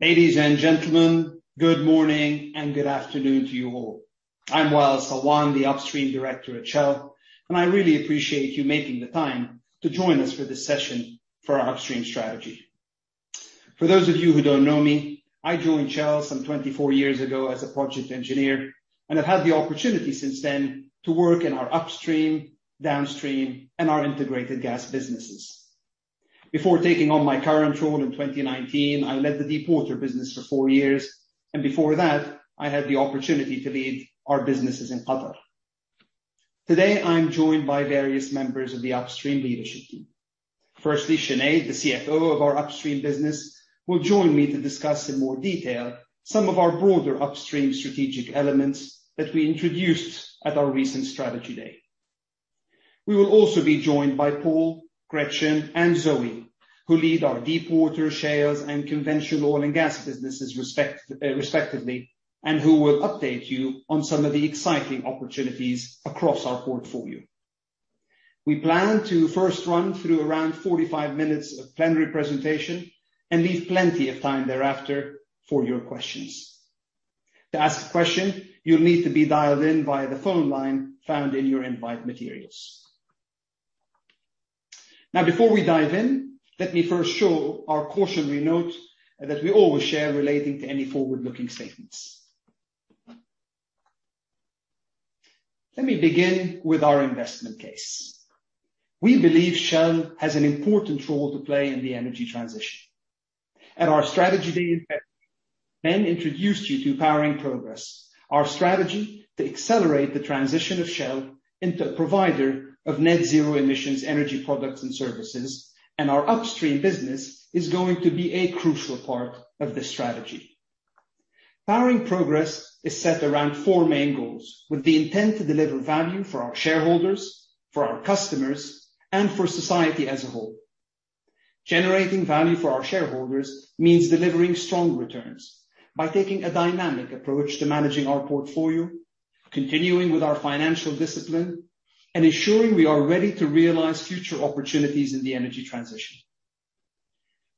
Ladies and gentlemen, good morning and good afternoon to you all. I'm Wael Sawan, the Upstream Director at Shell, and I really appreciate you taking the time to join us for this session for our Upstream Strategy. For those of you who don't know me, I joined Shell some 24 years ago as a project engineer, and I've had the opportunity since then to work in our Upstream, Downstream, and our Integrated Gas businesses. Before taking on my current role in 2019, I led the Deepwater business for four years, and before that, I had the opportunity to lead our businesses in Qatar. Today, I'm joined by various members of the Upstream Leadership Team. Firstly, Sinead, the CFO of our Upstream Business, will join me to discuss in more detail some of our broader Upstream strategic elements that we introduced at our recent Strategy Day. We will also be joined by Paul, Gretchen, and Zoë, who lead our Deepwater, Shales, and Conventional Oil and Gas businesses respectively, and who will update you on some of the exciting opportunities across our portfolio. We plan to first run through around 45 minutes of plenary presentation and leave plenty of time thereafter for your questions. To ask a question, you'll need to be dialed in via the phone line found in your invite materials. Before we dive in, let me first show our cautionary note that we always share relating to any forward-looking statements. Let me begin with our investment case. We believe Shell has an important role to play in the energy transition. At our Strategy Day in February, Ben introduced you to Powering Progress, our strategy to accelerate the transition of Shell into a provider of net zero emissions energy products and services. Our Upstream business is going to be a crucial part of this strategy. Powering Progress is set around four main goals with the intent to deliver value for our shareholders, for our customers, and for society as a whole. Generating value for our shareholders means delivering strong returns by taking a dynamic approach to managing our portfolio, continuing with our financial discipline, and ensuring we are ready to realize future opportunities in the energy transition.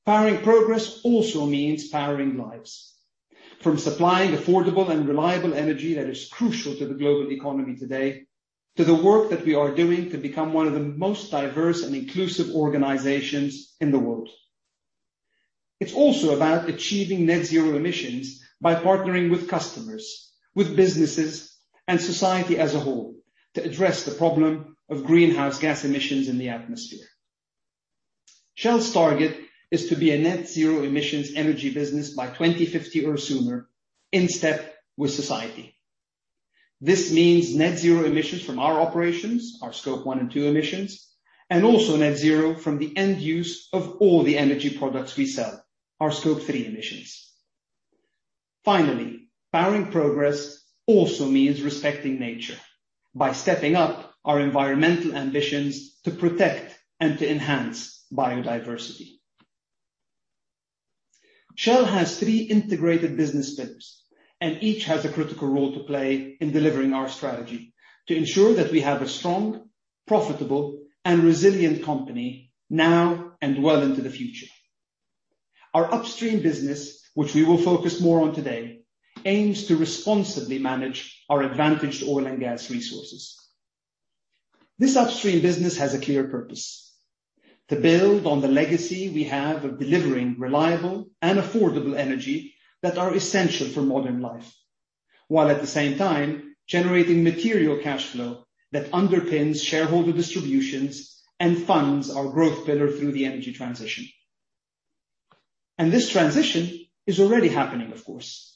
Powering Progress also means powering lives. From supplying affordable and reliable energy that is crucial to the global economy today, to the work that we are doing to become one of the most diverse and inclusive organizations in the world. It's also about achieving net zero emissions by partnering with customers, with businesses, and society as a whole to address the problem of greenhouse gas emissions in the atmosphere. Shell's target is to be a net zero emissions energy business by 2050 or sooner, in step with society. This means net zero emissions from our operations, our Scope 1 and Scope 2 emissions, and also net zero from the end use of all the energy products we sell, our Scope 3 emissions. Powering Progress also means respecting nature by stepping up our environmental ambitions to protect and to enhance biodiversity. Shell has three integrated business pillars, and each has a critical role to play in delivering our strategy to ensure that we have a strong, profitable, and resilient company now and well into the future. Our Upstream business, which we will focus more on today, aims to responsibly manage our advantaged oil and gas resources. This Upstream business has a clear purpose: to build on the legacy we have of delivering reliable and affordable energy that are essential for modern life, while at the same time generating material cash flow that underpins shareholder distributions and funds our growth pillar through the energy transition. This transition is already happening, of course.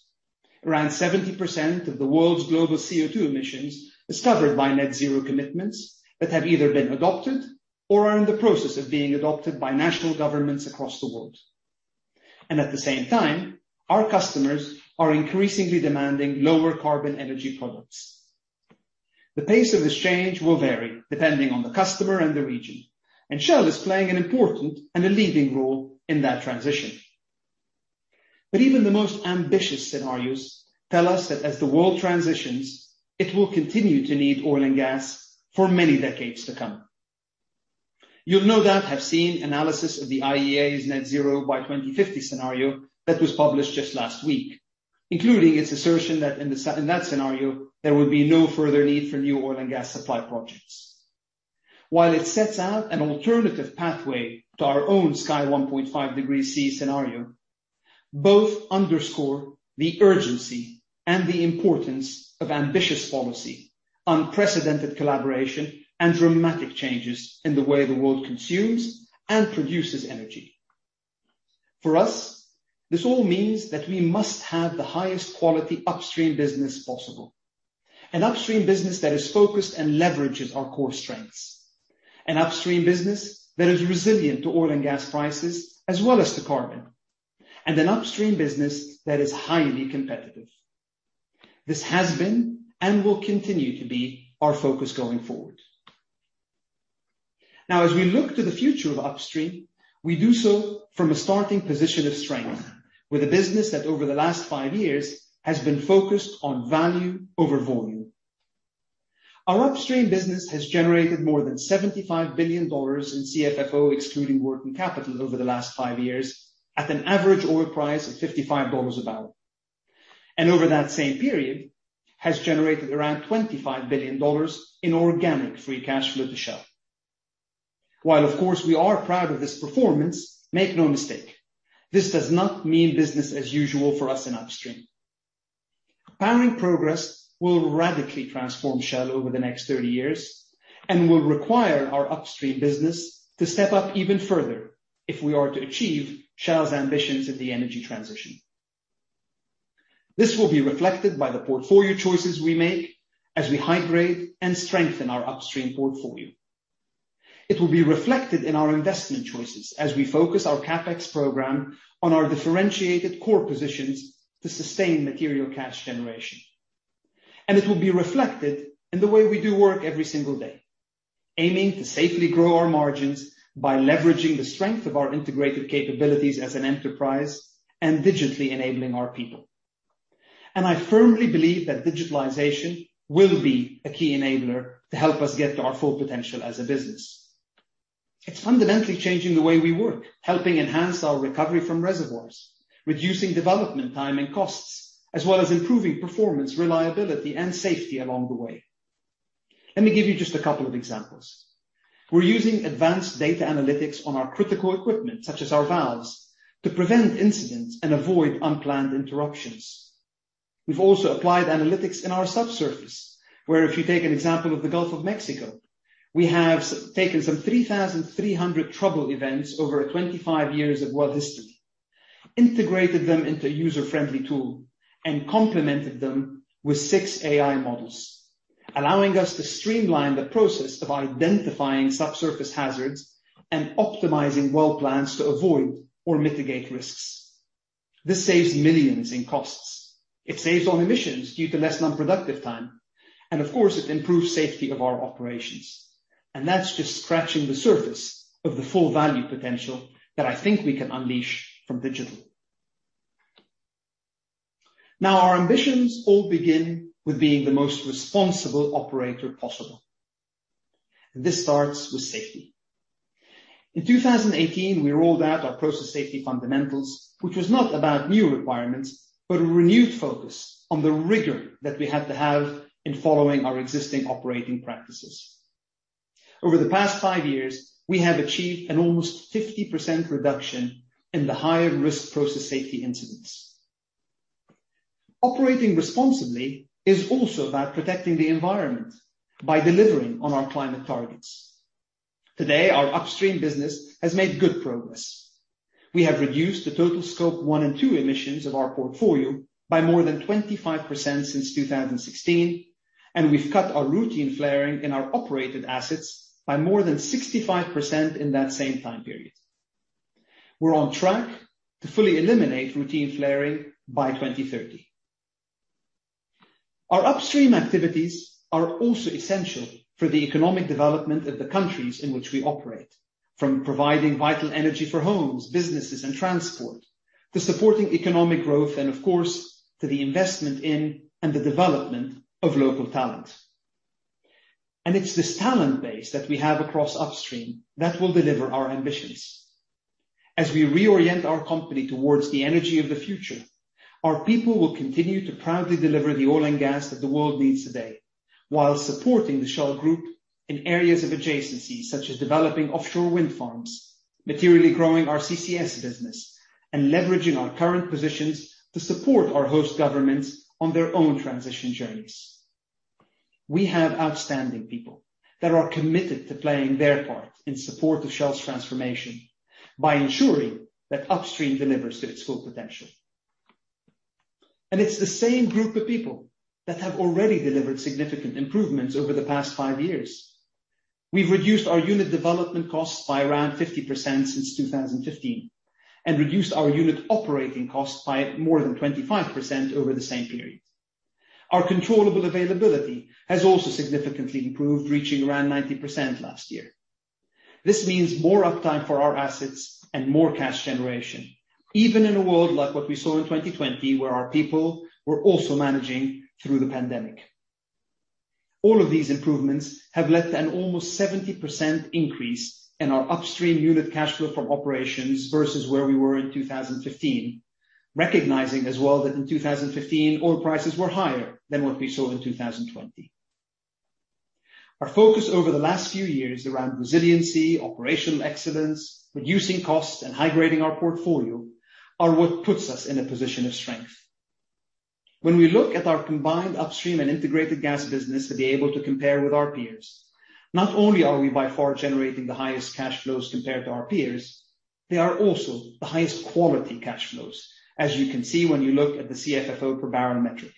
Around 70% of the world's global CO2 emissions is covered by net zero commitments that have either been adopted or are in the process of being adopted by national governments across the world. At the same time, our customers are increasingly demanding lower carbon energy products. The pace of this change will vary depending on the customer and the region, and Shell is playing an important and a leading role in that transition. Even the most ambitious scenarios tell us that as the world transitions, it will continue to need oil and gas for many decades to come. You'll no doubt have seen analysis of the International Energy Agency's net zero by 2050 scenario that was published just last week, including its assertion that in that scenario, there would be no further need for new oil and gas supply projects. While it sets out an alternative pathway to our own Sky 1.5 degrees Celsius scenario, both underscore the urgency and the importance of ambitious policy, unprecedented collaboration, and dramatic changes in the way the world consumes and produces energy. For us, this all means that we must have the highest quality Upstream business possible. An Upstream business that is focused and leverages our core strengths. An Upstream business that is resilient to oil and gas prices, as well as to carbon. An Upstream business that is highly competitive. This has been and will continue to be our focus going forward. As we look to the future of Upstream, we do so from a starting position of strength with a business that over the last five years has been focused on value over volume. Our Upstream business has generated more than $75 billion in cash flow from operations, excluding working capital over the last five years at an average oil price of $55 a barrel. Over that same period, has generated around $25 billion in organic free cash flow to Shell. While of course we are proud of this performance, make no mistake, this does not mean business as usual for us in Upstream. Powering Progress will radically transform Shell over the next 30 years and will require our Upstream business to step up even further if we are to achieve Shell's ambitions in the energy transition. This will be reflected by the portfolio choices we make as we high-grade and strengthen our Upstream portfolio. It will be reflected in our investment choices as we focus our CapEx program on our differentiated core positions to sustain material cash generation. It will be reflected in the way we do work every single day, aiming to safely grow our margins by leveraging the strength of our integrated capabilities as an enterprise and digitally enabling our people. I firmly believe that digitalization will be a key enabler to help us get to our full potential as a business. It's fundamentally changing the way we work, helping enhance our recovery from reservoirs, reducing development time and costs, as well as improving performance, reliability, and safety along the way. Let me give you just a couple of examples. We're using advanced data analytics on our critical equipment, such as our valves, to prevent incidents and avoid unplanned interruptions. We've also applied analytics in our subsurface, where if you take an example of the Gulf of Mexico, we have taken some 3,300 trouble events over 25 years of well history, integrated them into a user-friendly tool, and complemented them with six AI models, allowing us to streamline the process of identifying subsurface hazards and optimizing well plans to avoid or mitigate risks. This saves millions in costs. It saves on emissions due to less non-productive time. Of course, it improves safety of our operations. That's just scratching the surface of the full value potential that I think we can unleash from digital. Our ambitions all begin with being the most responsible operator possible. This starts with safety. In 2018, we rolled out our process safety fundamentals, which was not about new requirements, but a renewed focus on the rigor that we had to have in following our existing operating practices. Over the past five years, we have achieved an almost 50% reduction in the higher-risk process safety incidents. Operating responsibly is also about protecting the environment by delivering on our climate targets. Today, our Upstream business has made good progress. We have reduced the total Scope 1 and Scope 2 emissions of our portfolio by more than 25% since 2016, and we've cut our routine flaring in our operated assets by more than 65% in that same time period. We're on track to fully eliminate routine flaring by 2030. Our Upstream activities are also essential for the economic development of the countries in which we operate, from providing vital energy for homes, businesses, and transport, to supporting economic growth, and of course, to the investment in and the development of local talent. It's this talent base that we have across Upstream that will deliver our ambitions. As we reorient our company towards the energy of the future, our people will continue to proudly deliver the oil and gas that the world needs today while supporting the Shell Group in areas of adjacency, such as developing offshore wind farms, materially growing our carbon capture and storage business, and leveraging our current positions to support our host governments on their own transition journeys. We have outstanding people that are committed to playing their part in support of Shell's transformation by ensuring that Upstream delivers to its full potential. It's the same group of people that have already delivered significant improvements over the past five years. We've reduced our unit development costs by around 50% since 2015 and reduced our unit operating costs by more than 25% over the same period. Our controllable availability has also significantly improved, reaching around 90% last year. This means more uptime for our assets and more cash generation, even in a world like what we saw in 2020, where our people were also managing through the pandemic. All of these improvements have led to an almost 70% increase in our Upstream unit cash flow from operations versus where we were in 2015, recognizing as well that in 2015, oil prices were higher than what we saw in 2020. Our focus over the last few years around resiliency, operational excellence, reducing costs, and high-grading our portfolio are what puts us in a position of strength. When we look at our combined Upstream and Integrated Gas business to be able to compare with our peers, not only are we by far generating the highest cash flows compared to our peers, they are also the highest quality cash flows, as you can see when you look at the cash flow from operations per barrel metric.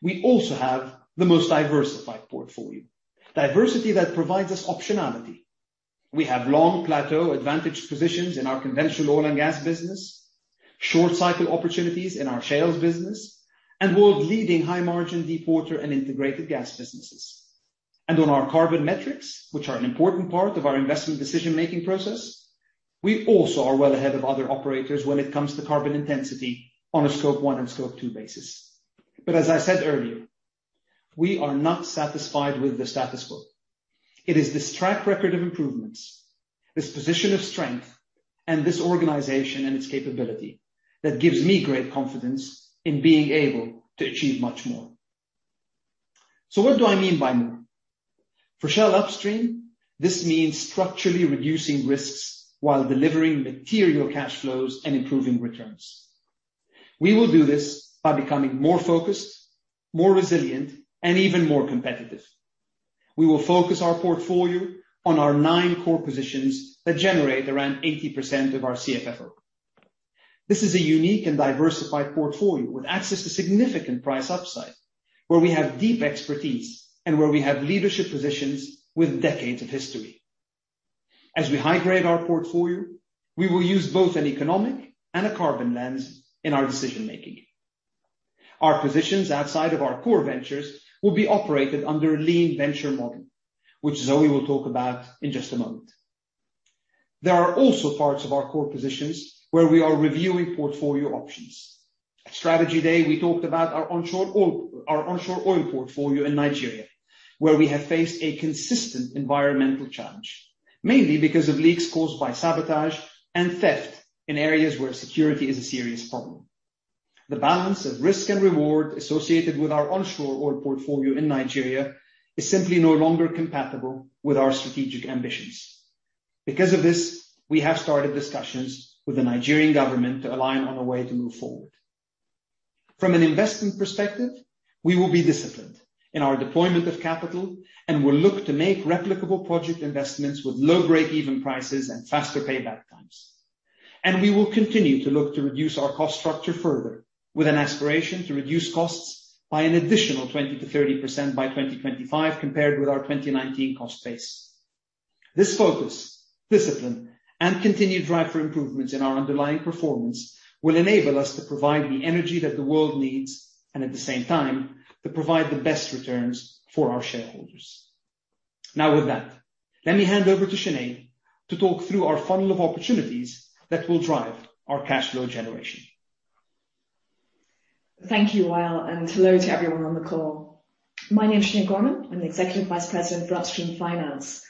We also have the most diversified portfolio, diversity that provides us optionality. We have long plateau advantaged positions in our conventional oil and gas business, short cycle opportunities in our Shales business, and world-leading high-margin Deepwater and Integrated Gas businesses. On our carbon metrics, which are an important part of our investment decision-making process. We also are well ahead of other operators when it comes to carbon intensity on a Scope 1 and Scope 2 basis. As I said earlier, we are not satisfied with the status quo. It is this track record of improvements, this position of strength, and this organization and its capability that gives me great confidence in being able to achieve much more. What do I mean by more? For Shell Upstream, this means structurally reducing risks while delivering material cash flows and improving returns. We will do this by becoming more focused, more resilient, and even more competitive. We will focus our portfolio on our nine core positions that generate around 80% of our CFFO. This is a unique and diversified portfolio with access to significant price upside, where we have deep expertise and where we have leadership positions with decades of history. As we high-grade our portfolio, we will use both an economic and a carbon lens in our decision-making. Our positions outside of our core ventures will be operated under a lean venture model, which Zoë will talk about in just a moment. There are also parts of our core positions where we are reviewing portfolio options. At Strategy Day, we talked about our onshore oil portfolio in Nigeria, where we have faced a consistent environmental challenge, mainly because of leaks caused by sabotage and theft in areas where security is a serious problem. The balance of risk and reward associated with our onshore oil portfolio in Nigeria is simply no longer compatible with our strategic ambitions. We have started discussions with the Nigerian government to align on a way to move forward. From an investment perspective, we will be disciplined in our deployment of capital and will look to make replicable project investments with low breakeven prices and faster payback times. We will continue to look to reduce our cost structure further with an aspiration to reduce costs by an additional 20%-30% by 2025 compared with our 2019 cost base. This focus, discipline, and continued drive for improvements in our underlying performance will enable us to provide the energy that the world needs and, at the same time, to provide the best returns for our shareholders. Now, with that, let me hand over to Sinead to talk through our funnel of opportunities that will drive our cash flow generation. Thank you, Wael Sawan, and hello to everyone on the call. My name is Sinead Gorman. I'm the Executive Vice President of Upstream Finance.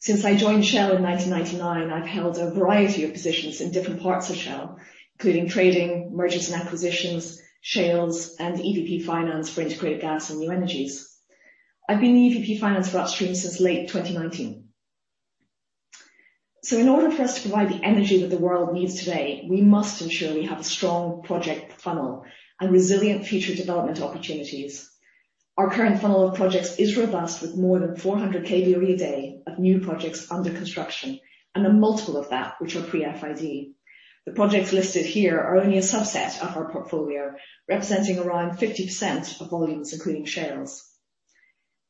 Since I joined Shell in 1999, I've held a variety of positions in different parts of Shell, including trading, mergers and acquisitions, Shales, and exploration and production finance for Integrated Gas and New Energies. I've been in E&P finance for Upstream since late 2019. In order for us to provide the energy that the world needs today, we must ensure we have a strong project funnel and resilient future development opportunities. Our current funnel of projects is robust with more than 400 kboed of new projects under construction and a multiple of that which are pre-final investment decision. The projects listed here are only a subset of our portfolio, representing around 50% of volumes including Shales.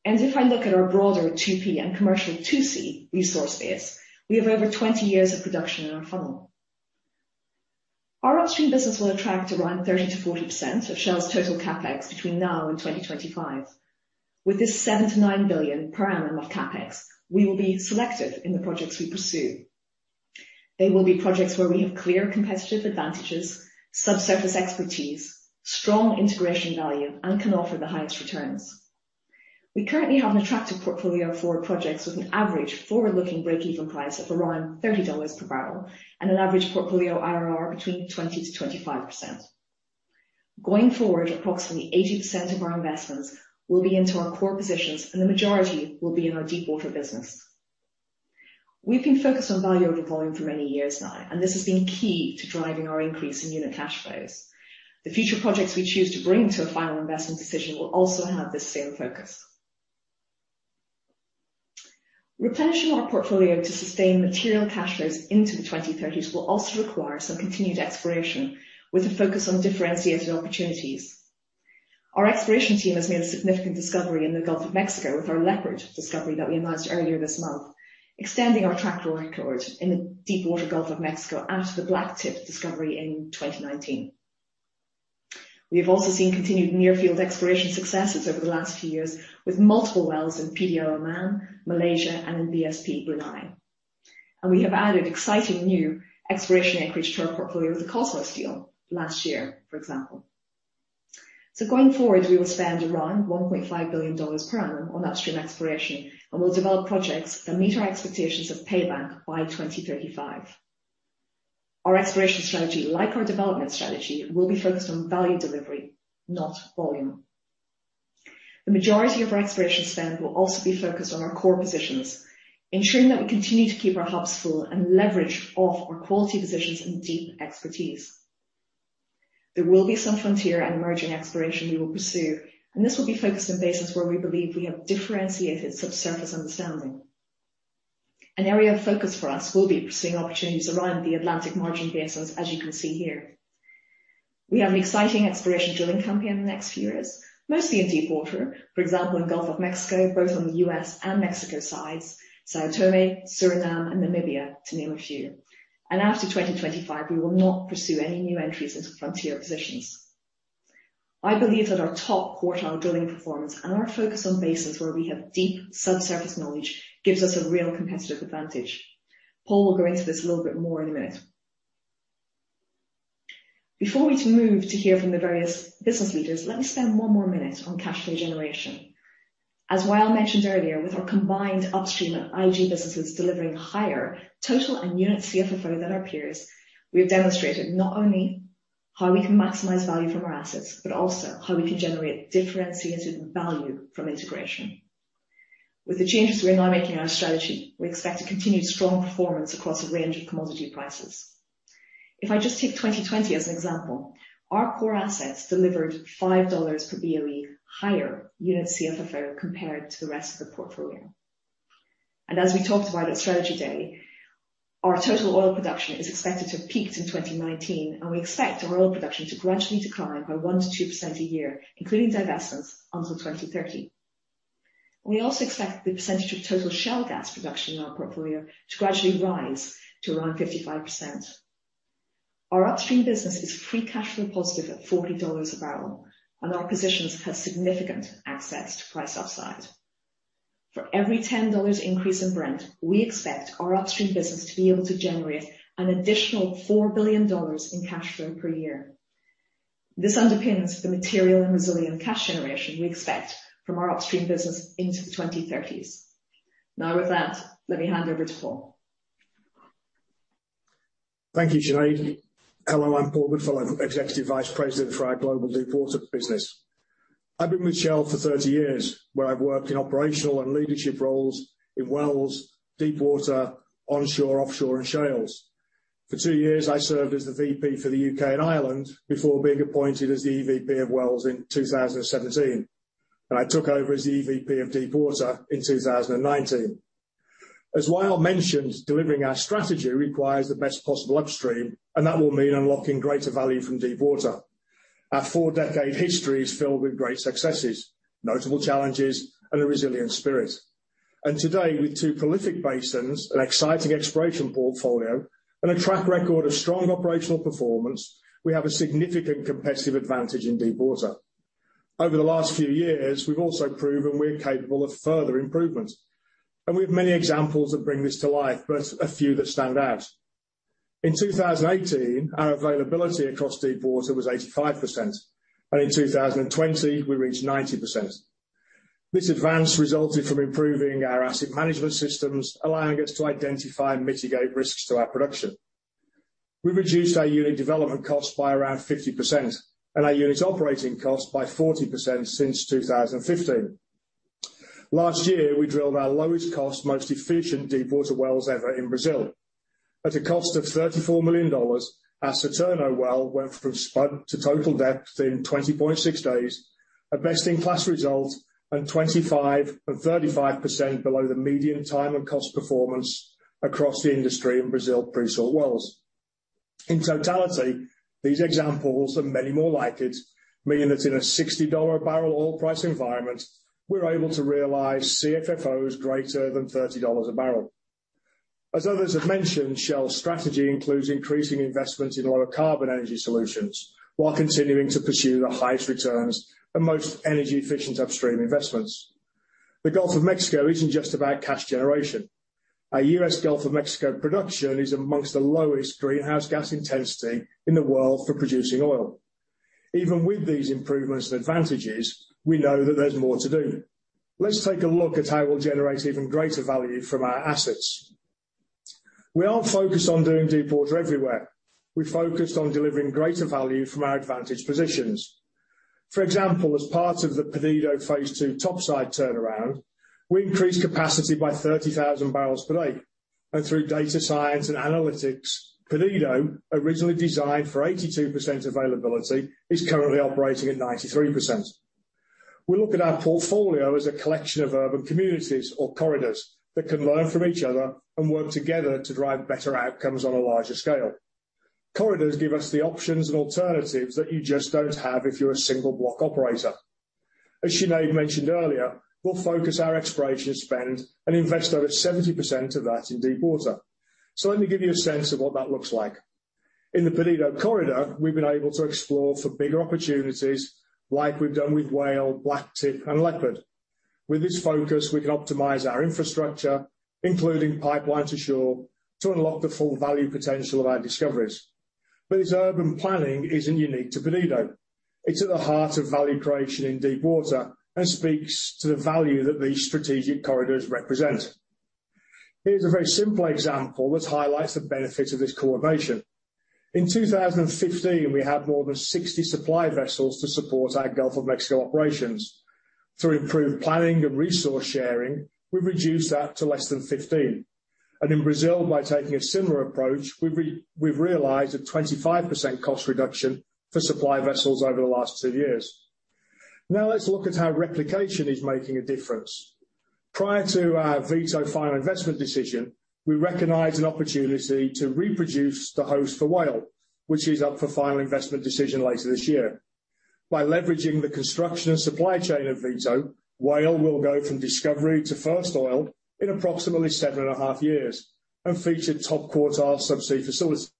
If I look at our broader 2P and commercial 2C resource base, we have over 20 years of production in our funnel. Our Upstream business will attract around 30%-40% of Shell's total CapEx between now and 2025. With this $7 billion-$9 billion per annum of CapEx, we will be selective in the projects we pursue. They will be projects where we have clear competitive advantages, subsurface expertise, strong integration value, and can offer the highest returns. We currently have an attractive portfolio of forward projects with an average forward-looking breakeven price of around $30 per barrel and an average portfolio internal rate of return between 20%-25%. Going forward, approximately 80% of our investments will be into our core positions, and the majority will be in our Deepwater business. We've been focused on value over volume for many years now, and this has been key to driving our increase in unit cash flows. The future projects we choose to bring to a final investment decision will also have this same focus. Replenishing our portfolio to sustain material cash flows into the 2030s will also require some continued exploration with a focus on differentiated opportunities. Our exploration team has made a significant discovery in the U.S. Gulf of Mexico with our Leopard discovery that we announced earlier this month, extending our track record in the deepwater U.S. Gulf of Mexico after the Blacktip discovery in 2019. We have also seen continued near-field exploration successes over the last few years with multiple wells in Petroleum Development Oman, Malaysia, and in Brunei Shell Petroleum, Brunei. We have added exciting new exploration acreage to our portfolio with the Côte d'Ivoire last year, for example. Going forward, we will spend around $1.5 billion per annum on Upstream exploration, and we'll develop projects that meet our expectations of payback by 2035. Our exploration strategy, like our development strategy, will be focused on value delivery, not volume. The majority of our exploration spend will also be focused on our core positions, ensuring that we continue to keep our hubs full and leverage off our quality positions and deep expertise. There will be some frontier and emerging exploration we will pursue, and this will be focused on basins where we believe we have differentiated subsurface understanding. An area of focus for us will be pursuing opportunities around the Atlantic Margin basins as you can see here. We have an exciting exploration drilling campaign in the next years, mostly in deepwater, for example, in Gulf of Mexico, both on the U.S. and Mexico sides, São Tomé, Suriname, and Namibia, to name a few. After 2025, we will not pursue any new entries into frontier positions. I believe that our top quartile drilling performance and our focus on basins where we have deep subsurface knowledge gives us a real competitive advantage. Paul will go into this a little bit more in a minute. Before we move to hear from the various business leaders, let me spend one more minute on cash flow generation. Wael mentioned earlier, with our combined Upstream and IG businesses delivering higher total and unit CFFO than our peers, we have demonstrated not only how we can maximize value from our assets, but also how we can generate differentiated value from integration. With the changes we are now making to our strategy, we expect to continue strong performance across a range of commodity prices. If I just take 2020 as an example, our core assets delivered $5 per barrels of oil equivalent higher unit CFFO compared to the rest of the portfolio. As we talked about at Strategy Day, our total oil production is expected to have peaked in 2019, and we expect our oil production to gradually decline by 1%-2% a year, including divestments, until 2030. We also expect the percentage of total Shell gas production in our portfolio to gradually rise to around 55%. Our Upstream Business is free cash flow positive at $40 a barrel, and our positions have significant assets to price upside. For every $10 increase in Brent, we expect our Upstream Business to be able to generate an additional $4 billion in cash flow per year. This underpins the material and resilient cash generation we expect from our Upstream business into the 2030s. With that, let me hand over to Paul Goodfellow. Thank you, Sinead. Hello, I'm Paul Goodfellow, Executive Vice President for our Global Deepwater business. I've been with Shell for 30 years, where I've worked in operational and leadership roles in wells, deepwater, onshore, offshore, and shales. For two years, I served as the VP for the U.K. and Ireland before being appointed as the EVP of Wells in 2017. I took over as the EVP of Deepwater in 2019. As Wael mentioned, delivering our strategy requires the best possible Upstream. That will mean unlocking greater value from Deepwater. Our four-decade history is filled with great successes, notable challenges, and a resilient spirit. Today, with two prolific basins, an exciting exploration portfolio, and a track record of strong operational performance, we have a significant competitive advantage in Deepwater. Over the last few years, we've also proven we're capable of further improvements, and we have many examples that bring this to life, but a few that stand out. In 2018, our availability across Deepwater was 85%, and in 2020, we reached 90%. This advance resulted from improving our asset management systems, allowing us to identify and mitigate risks to our production. We reduced our unit development costs by around 50% and our unit operating costs by 40% since 2015. Last year, we drilled our lowest cost, most efficient Deepwater wells ever in Brazil. At a cost of $34 million, our Saturno well went from spud to total depth in 20.6 days, a best-in-class result, and 25% and 35% below the median time and cost performance across the industry in Brazil pre-salt wells. In totality, these examples and many more like it mean that in a $60 a barrel oil price environment, we're able to realize CFFOs greater than $30 a barrel. As others have mentioned, Shell's strategy includes increasing investments in lower carbon energy solutions while continuing to pursue the highest returns and most energy-efficient Upstream investments. The Gulf of Mexico isn't just about cash generation. Our U.S. Gulf of Mexico production is amongst the lowest greenhouse gas intensity in the world for producing oil. Even with these improvements and advantages, we know that there's more to do. Let's take a look at how we'll generate even greater value from our assets. We aren't focused on doing deepwater everywhere. We're focused on delivering greater value from our advantage positions. For example, as part of the Perdido phase II topside turnaround, we increased capacity by 30,000 bbl per day. Through data science and analytics, Perdido, originally designed for 82% availability, is currently operating at 93%. We look at our portfolio as a collection of urban communities or corridors that can learn from each other and work together to drive better outcomes on a larger scale. Corridors give us the options and alternatives that you just don't have if you're a single block operator. As Sinead mentioned earlier, we'll focus our exploration spend and invest over 70% of that in deepwater. Let me give you a sense of what that looks like. In the Perdido corridor, we've been able to explore for bigger opportunities like we've done with Whale, Blacktip, and Leopard. With this focus, we can optimize our infrastructure, including pipeline to shore, to unlock the full value potential of our discoveries. This urban planning isn't unique to Perdido. It is at the heart of value creation in Deepwater and speaks to the value that these strategic corridors represent. Here is a very simple example which highlights the benefit of this coordination. In 2015, we had more than 60 supply vessels to support our Gulf of Mexico operations. To improve planning and resource sharing, we reduced that to less than 15. In Brazil, by taking a similar approach, we have realized a 25% cost reduction for supply vessels over the last two years. Now let us look at how replication is making a difference. Prior to our Vito final investment decision, we recognized an opportunity to reproduce the host for Whale, which is up for final investment decision later this year. By leveraging the construction and supply chain of Vito, Whale will go from discovery to first oil in approximately seven and a half years. Featured top quartile subsea facilities.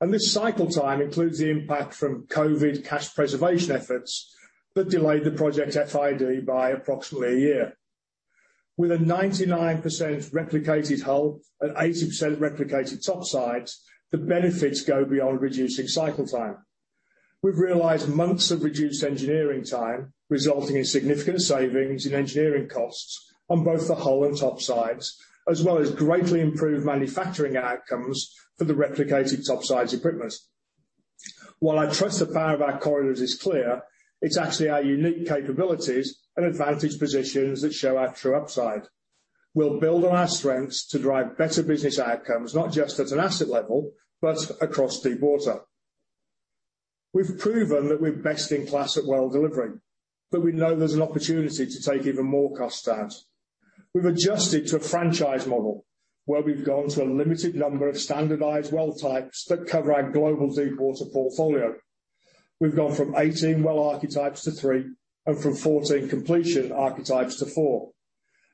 This cycle time includes the impact from COVID cash preservation efforts that delayed the project FID by approximately one year. With a 99% replicated hull and 80% replicated topsides, the benefits go beyond reducing cycle time. We've realized months of reduced engineering time, resulting in significant savings in engineering costs on both the hull and topsides, as well as greatly improved manufacturing outcomes for the replicated topsides equipment. While I trust the power of our corridors is clear, it's actually our unique capabilities and advantage positions that show our true upside. We'll build on our strengths to drive better business outcomes, not just at an asset level, but across Deepwater. We've proven that we're best in class at well delivering, but we know there's an opportunity to take even more cost out. We've adjusted to a franchise model, where we've gone to a limited number of standardized well types that cover our global Deepwater portfolio. We've gone from 18 well archetypes to three, and from 14 completion archetypes to four.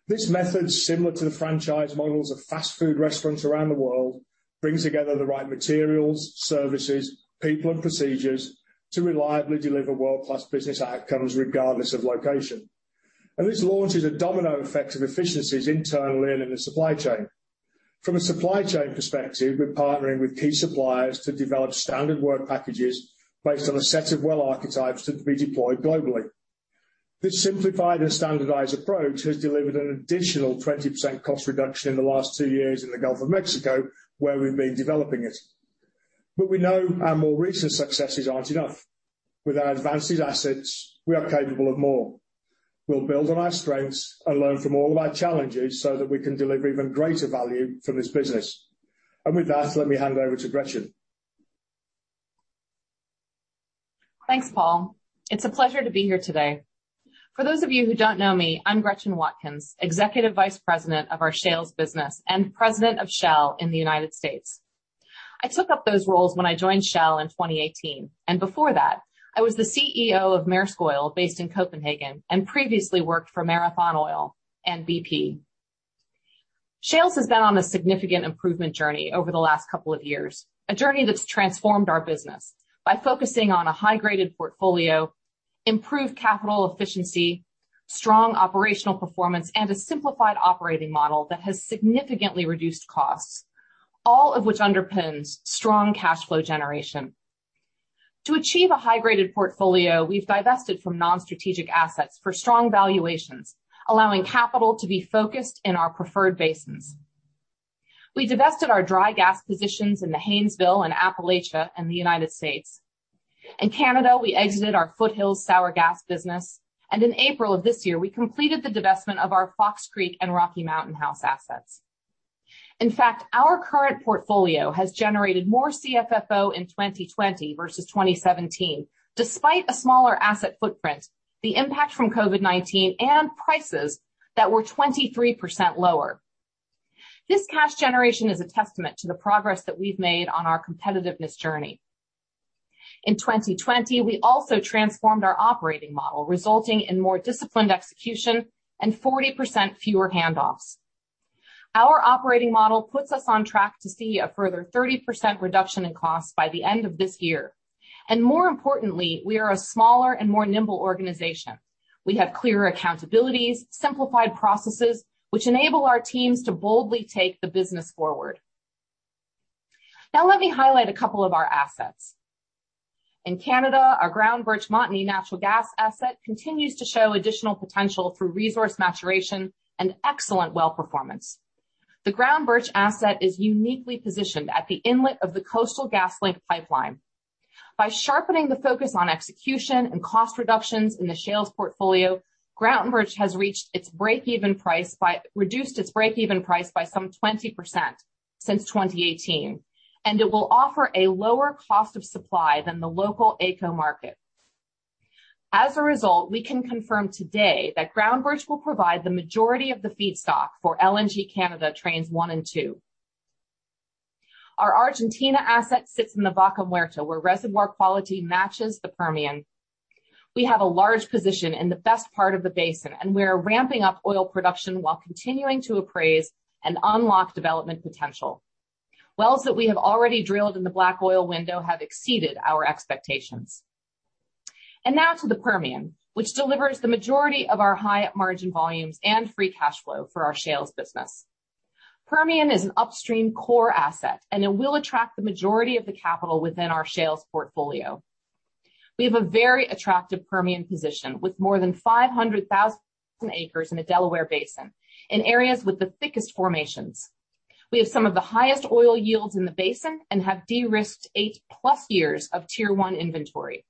This method is similar to the franchise models of fast food restaurants around the world, bringing together the right materials, services, people, and procedures to reliably deliver world-class business outcomes regardless of location. This launches a domino effect of efficiencies internally and in the supply chain. From a supply chain perspective, we're partnering with key suppliers to develop standard work packages based on a set of well archetypes that can be deployed globally. This simplified and standardized approach has delivered an additional 20% cost reduction in the last two years in the Gulf of Mexico, where we've been developing it. We know our more recent successes aren't enough. With our advanced assets, we are capable of more. We'll build on our strengths and learn from all our challenges so that we can deliver even greater value for this business. With that, let me hand over to Gretchen. Thanks, Paul. It's a pleasure to be here today. For those of you who don't know me, I'm Gretchen Watkins, Executive Vice President of our Shales business and President of Shell in the U.S. I took up those roles when I joined Shell in 2018. Before that, I was the CEO of Maersk Oil based in Copenhagen and previously worked for Marathon Oil and BP. Shales has been on a significant improvement journey over the last couple of years, a journey that's transformed our business by focusing on a high-graded portfolio, improved capital efficiency, strong operational performance, and a simplified operating model that has significantly reduced costs, all of which underpins strong cash flow generation. To achieve a high-graded portfolio, we've divested from non-strategic assets for strong valuations, allowing capital to be focused in our preferred basins. We divested our dry gas positions in the Haynesville and Appalachia in the United States. In Canada, we exited our Foothills sour gas business. In April of this year, we completed the divestment of our Fox Creek and Rocky Mountain House assets. In fact, our current portfolio has generated more CFFO in 2020 versus 2017, despite a smaller asset footprint, the impact from COVID-19, and prices that were 23% lower. This cash generation is a testament to the progress that we've made on our competitiveness journey. In 2020, we also transformed our operating model, resulting in more disciplined execution and 40% fewer handoffs. Our operating model puts us on track to see a further 30% reduction in costs by the end of this year. More importantly, we are a smaller and more nimble organization. We have clear accountabilities, simplified processes, which enable our teams to boldly take the business forward. Let me highlight a couple of our assets. In Canada, our Groundbirch Montney natural gas asset continues to show additional potential for resource maturation and excellent well performance. The Groundbirch asset is uniquely positioned at the inlet of the Coastal GasLink pipeline. By sharpening the focus on execution and cost reductions in the Shales portfolio, Groundbirch has reduced its breakeven price by some 20% since 2018, and it will offer a lower cost of supply than the local Alberta energy company oilsands market. We can confirm today that Groundbirch will provide the majority of the feedstock for liquefied natural gas Canada Trains 1 and 2. Our Argentina asset sits in the Vaca Muerta, where reservoir quality matches the Permian. We have a large position in the best part of the basin, and we are ramping up oil production while continuing to appraise and unlock development potential. Wells that we have already drilled in the black oil window have exceeded our expectations. Now to the Permian, which delivers the majority of our high margin volumes and free cash flow for our Shales business. Permian is an Upstream core asset, and it will attract the majority of the capital within our Shales portfolio. We have a very attractive Permian position with more than 500,000 acres in the Delaware Basin in areas with the thickest formations. We have some of the highest oil yields in the basin and have de-risked 8+ years of Tier 1 inventory.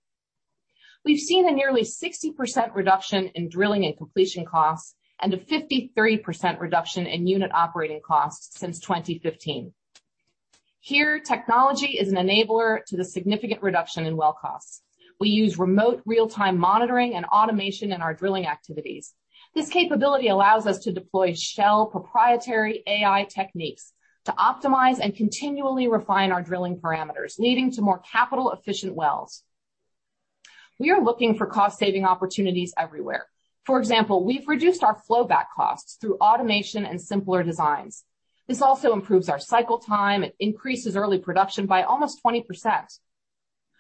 We've seen a nearly 60% reduction in drilling and completion costs and a 53% reduction in unit OpEx since 2015. Here, technology is an enabler to the significant reduction in well costs. We use remote real-time monitoring and automation in our drilling activities. This capability allows us to deploy Shell proprietary AI techniques to optimize and continually refine our drilling parameters, leading to more capital-efficient wells. We are looking for cost-saving opportunities everywhere. For example, we've reduced our flowback costs through automation and simpler designs. This also improves our cycle time and increases early production by almost 20%.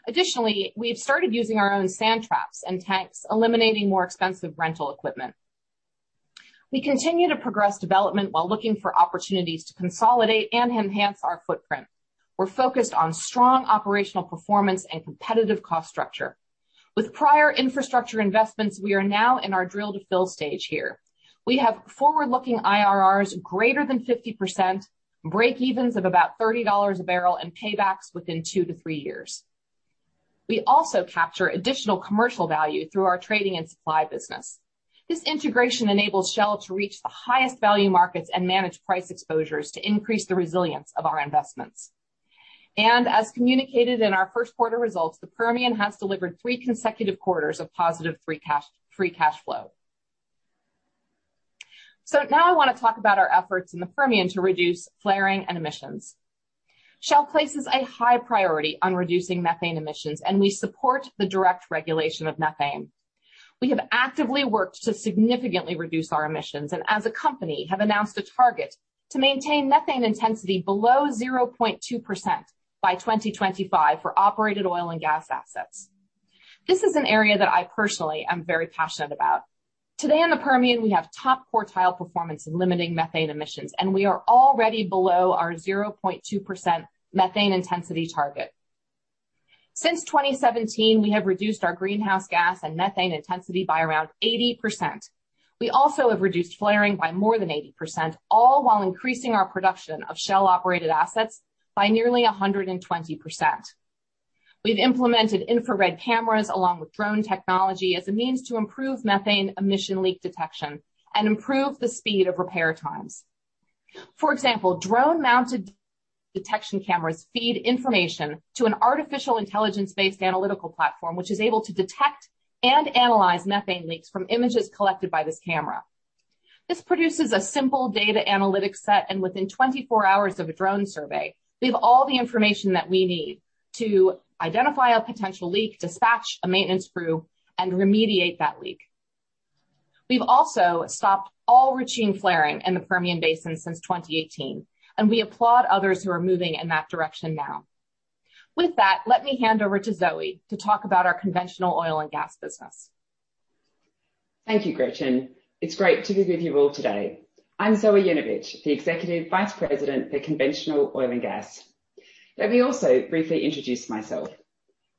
Additionally, we've started using our own sand traps and tanks, eliminating more expensive rental equipment. We continue to progress development while looking for opportunities to consolidate and enhance our footprint. We're focused on strong operational performance and competitive cost structure. With prior infrastructure investments, we are now in our drill to fill stage here. We have forward-looking IRRs greater than 50%, breakevens of about $30 a barrel, and paybacks within two to three years. We also capture additional commercial value through our trading and supply business. This integration enables Shell to reach the highest value markets and manage price exposures to increase the resilience of our investments. As communicated in our first quarter results, the Permian has delivered three consecutive quarters of positive free cash flow. Now I want to talk about our efforts in the Permian to reduce flaring emissions. Shell places a high priority on reducing methane emissions, and we support the direct regulation of methane. We have actively worked to significantly reduce our emissions and as a company, have announced a target to maintain methane intensity below 0.2% by 2025 for operated oil and gas assets. This is an area that I personally am very passionate about. Today in the Permian, we have top quartile performance in limiting methane emissions, and we are already below our 0.2% methane intensity target. Since 2017, we have reduced our greenhouse gas and methane intensity by around 80%. We also have reduced flaring by more than 80%, all while increasing our production of Shell-operated assets by nearly 120%. We've implemented infrared cameras along with drone technology as a means to improve methane emission leak detection and improve the speed of repair times. For example, drone-mounted detection cameras feed information to an artificial intelligence-based analytical platform, which is able to detect and analyze methane leaks from images collected by this camera. This produces a simple data analytics set, and within 24 hours of a drone survey, we have all the information that we need to identify a potential leak, dispatch a maintenance crew, and remediate that leak. We've also stopped all routine flaring in the Permian Basin since 2018. We applaud others who are moving in that direction now. With that, let me hand over to Zoë to talk about our Conventional Oil and Gas business. Thank you, Gretchen. It's great to be with you all today. I'm Zoë Yujnovich, the Executive Vice President for Conventional Oil and Gas. Let me also briefly introduce myself.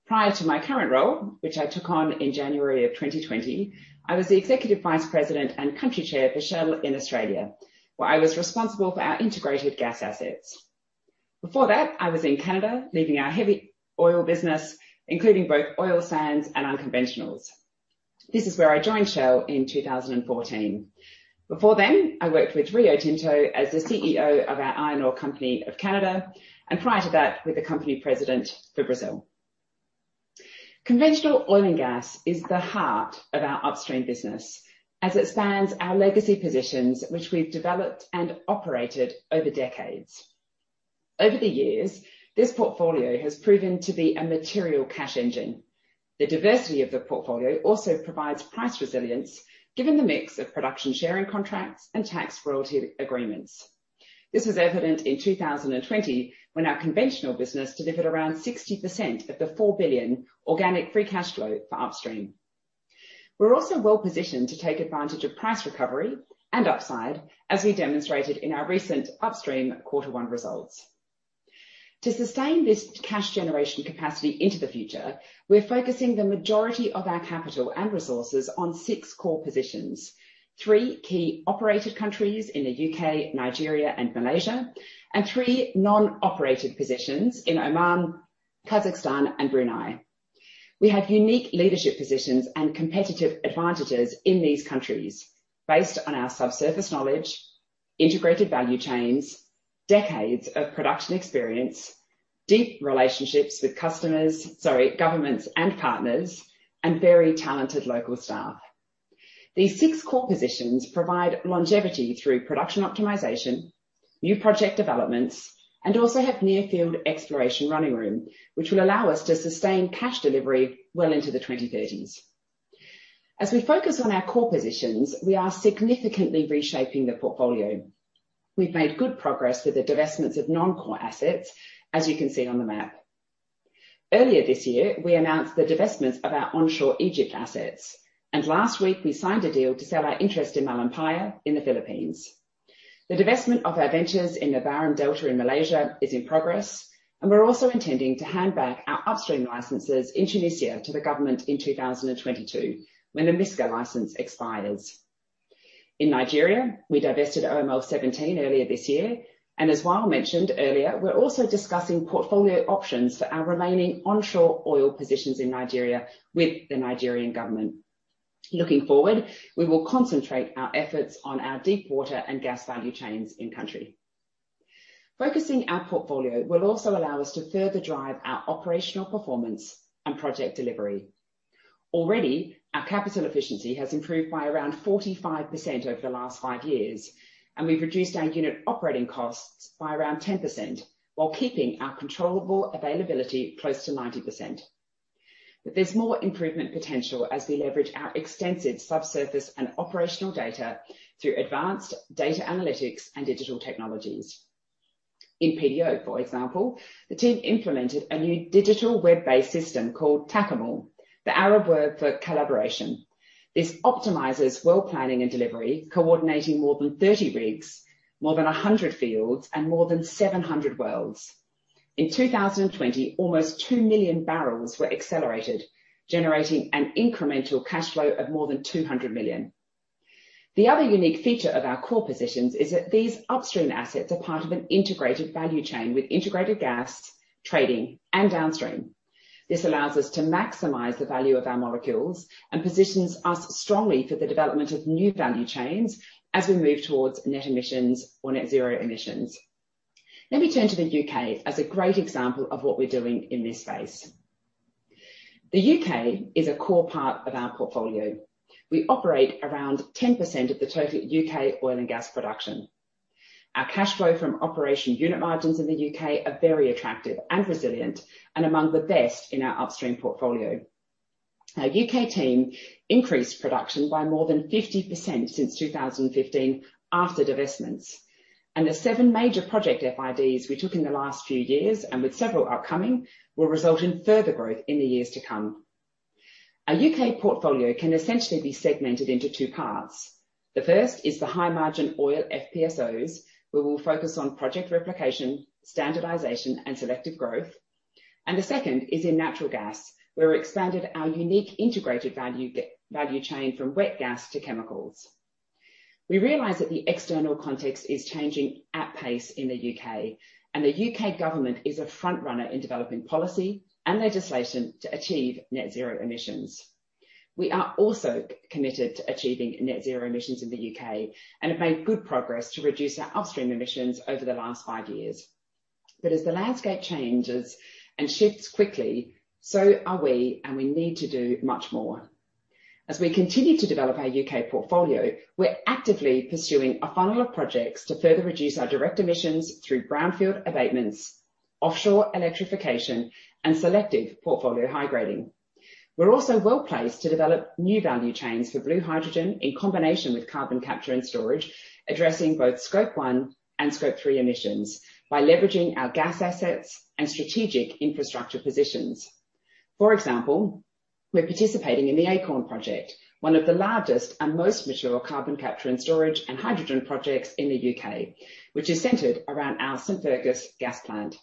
Prior to my current role, which I took on in January of 2020, I was the Executive Vice President and Country Chair for Shell in Australia, where I was responsible for our Integrated Gas assets. Before that, I was in Canada leading our heavy oil business, including both oil sands and unconventionals. This is where I joined Shell in 2014. Before then, I worked for Rio Tinto as the CEO of our Iron Ore Company of Canada, and prior to that, with the company president for Brazil. Conventional Oil and Gas is the heart of our Upstream business as it spans our legacy positions, which we've developed and operated over decades. Over the years, this portfolio has proven to be a material cash engine. The diversity of the portfolio also provides price resilience given the mix of production sharing contracts and tax royalty agreements. This was evident in 2020 when our conventional business delivered around 60% of the $4 billion organic free cash flow for Upstream. We're also well-positioned to take advantage of price recovery and upside, as we demonstrated in our recent Upstream quarter one results. To sustain this cash generation capacity into the future, we're focusing the majority of our capital and resources on six core positions, three key operated countries in the U.K., Nigeria, and Malaysia, and three non-operated positions in Oman, Kazakhstan, and Brunei. We have unique leadership positions and competitive advantages in these countries based on our subsurface knowledge, integrated value chains, decades of production experience, deep relationships with governments and partners, and very talented local staff. These six core positions provide longevity through production optimization, new project developments, and also have near-field exploration running room, which will allow us to sustain cash delivery well into the 2030s. As we focus on our core positions, we are significantly reshaping the portfolio. We've made good progress with the divestments of non-core assets, as you can see on the map. Earlier this year, we announced the divestment of our onshore Egypt assets, and last week we signed a deal to sell our interest in Malampaya in the Philippines. The divestment of our ventures in the Baram Delta in Malaysia is in progress, and we're also intending to hand back our upstream licenses in Tunisia to the government in 2022 when the Miskar license expires. In Nigeria, we divested Oil Mining Lease 17 earlier this year, and as Wael mentioned earlier, we're also discussing portfolio options for our remaining onshore oil positions in Nigeria with the Nigerian government. Looking forward, we will concentrate our efforts on our deep water and gas value chains in country. Focusing our portfolio will also allow us to further drive our operational performance and project delivery. Already, our capital efficiency has improved by around 45% over the last five years, and we've reduced our unit operating costs by around 10%, while keeping our controllable availability close to 90%. There's more improvement potential as we leverage our extensive subsurface and operational data through advanced data analytics and digital technologies. In PDO, for example, the team implemented a new digital web-based system called Takaamul, the Arab word for collaboration. This optimizes well planning and delivery, coordinating more than 30 rigs, more than 100 fields, and more than 700 wells. In 2020, almost 2 million bbl were accelerated, generating an incremental cash flow of more than $200 million. The other unique feature of our core positions is that these Upstream assets are part of an integrated value chain with Integrated Gas, trading, and Downstream. This allows us to maximize the value of our molecules and positions us strongly for the development of new value chains as we move towards net emissions or net zero emissions. Let me turn to the U.K. as a great example of what we're doing in this space. The U.K. is a core part of our portfolio. We operate around 10% of the total U.K. oil and gas production. Our cash flow from operation unit margins in the U.K. are very attractive and resilient and among the best in our Upstream portfolio. Our U.K. team increased production by more than 50% since 2015 after divestments, and the seven major project FIDs we took in the last few years, and with several upcoming, will result in further growth in the years to come. Our U.K. portfolio can essentially be segmented into two parts. The first is the high-margin oil Floating Production, Storage, and Offloading where we'll focus on project replication, standardization, and selective growth. The second is in natural gas, where we expanded our unique integrated value chain from wet gas to chemicals. We realize that the external context is changing at pace in the U.K., and the U.K. government is a frontrunner in developing policy and legislation to achieve net zero emissions. We are also committed to achieving net zero emissions in the U.K. and have made good progress to reduce our Upstream emissions over the last five years. As the landscape changes and shifts quickly, so are we, and we need to do much more. As we continue to develop our U.K. portfolio, we're actively pursuing a funnel of projects to further reduce our direct emissions through brownfield abatements, offshore electrification, and selective portfolio high grading. We're also well-placed to develop new value chains for blue hydrogen in combination with carbon capture and storage, addressing both Scope 1 and Scope 3 emissions by leveraging our gas assets and strategic infrastructure positions. For example, we're participating in the Acorn project, one of the largest and most mature carbon capture and storage and hydrogen projects in the U.K., which is centered around our St. Fergus gas plant.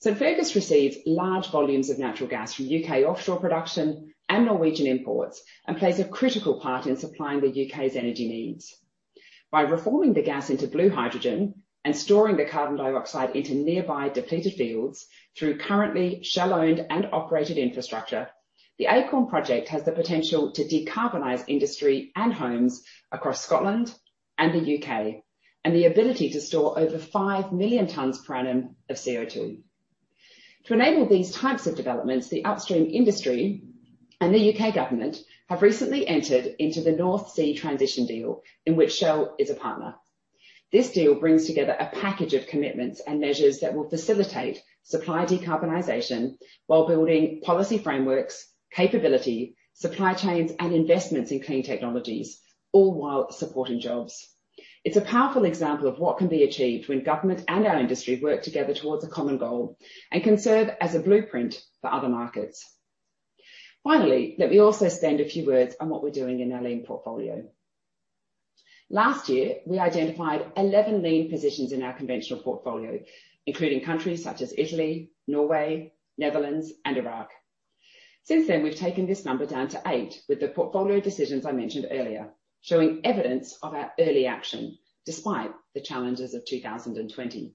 St. Fergus receives large volumes of natural gas from U.K. offshore production and Norwegian imports and plays a critical part in supplying the U.K.'s energy needs. By reforming the gas into blue hydrogen and storing the carbon dioxide into nearby depleted fields through currently Shell-owned and operated infrastructure, the Acorn project has the potential to decarbonize industry and homes across Scotland and the U.K., and the ability to store over five million tons per annum of CO2. To enable these types of developments, the Upstream industry and the U.K. government have recently entered into the North Sea Transition Deal, in which Shell is a partner. This deal brings together a package of commitments and measures that will facilitate supply decarbonization while building policy frameworks, capability, supply chains, and investments in clean technologies, all while supporting jobs. It's a powerful example of what can be achieved when government and our industry work together towards a common goal and can serve as a blueprint for other markets. Let me also spend a few words on what we're doing in our lean portfolio. Last year, we identified 11 lean positions in our conventional portfolio, including countries such as Italy, Norway, Netherlands, and Iraq. Since then, we've taken this number down to eight with the portfolio decisions I mentioned earlier, showing evidence of our early action despite the challenges of 2020.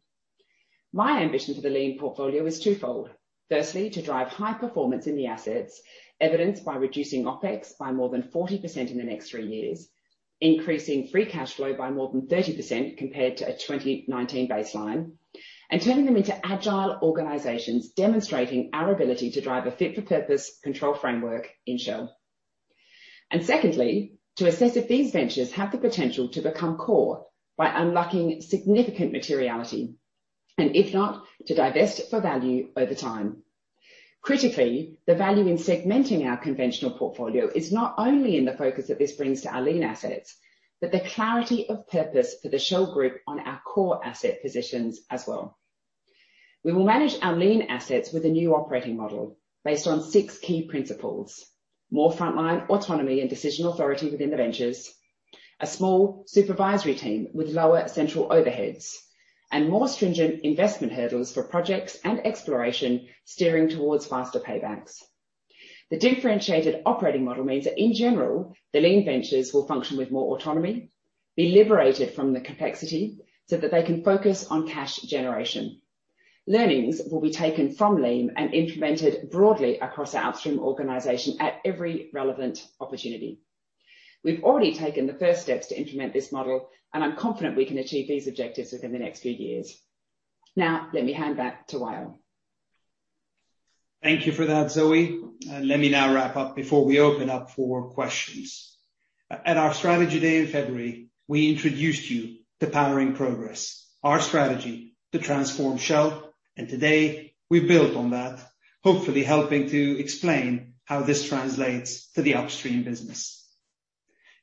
My ambition for the lean portfolio is twofold. Firstly, to drive high performance in the assets, evidenced by reducing OpEx by more than 40% in the next three years, increasing free cash flow by more than 30% compared to a 2019 baseline, and turning them into agile organizations demonstrating our ability to drive a fit for purpose control framework in Shell. Secondly, to assess if these ventures have the potential to become core by unlocking significant materiality, and if not, to divest for value over time. Critically, the value in segmenting our conventional portfolio is not only in the focus that this brings to our lean assets, but the clarity of purpose for the Shell group on our core asset positions as well. We will manage our lean assets with a new operating model based on six key principles. More frontline autonomy and decision authority within the ventures, a small supervisory team with lower central overheads, and more stringent investment hurdles for projects and exploration steering towards faster paybacks. The differentiated operating model means that in general, the lean ventures will function with more autonomy, be liberated from the complexity so that they can focus on cash generation. Learnings will be taken from lean and implemented broadly across our Upstream organization at every relevant opportunity. We've already taken the first steps to implement this model, and I'm confident we can achieve these objectives within the next few years. Now, let me hand back to Wael. Thank you for that, Zoë. Let me now wrap up before we open up for questions. At our strategy day in February, we introduced you to Powering Progress, our strategy to transform Shell. Today, we build on that, hopefully helping to explain how this translates to the Upstream business.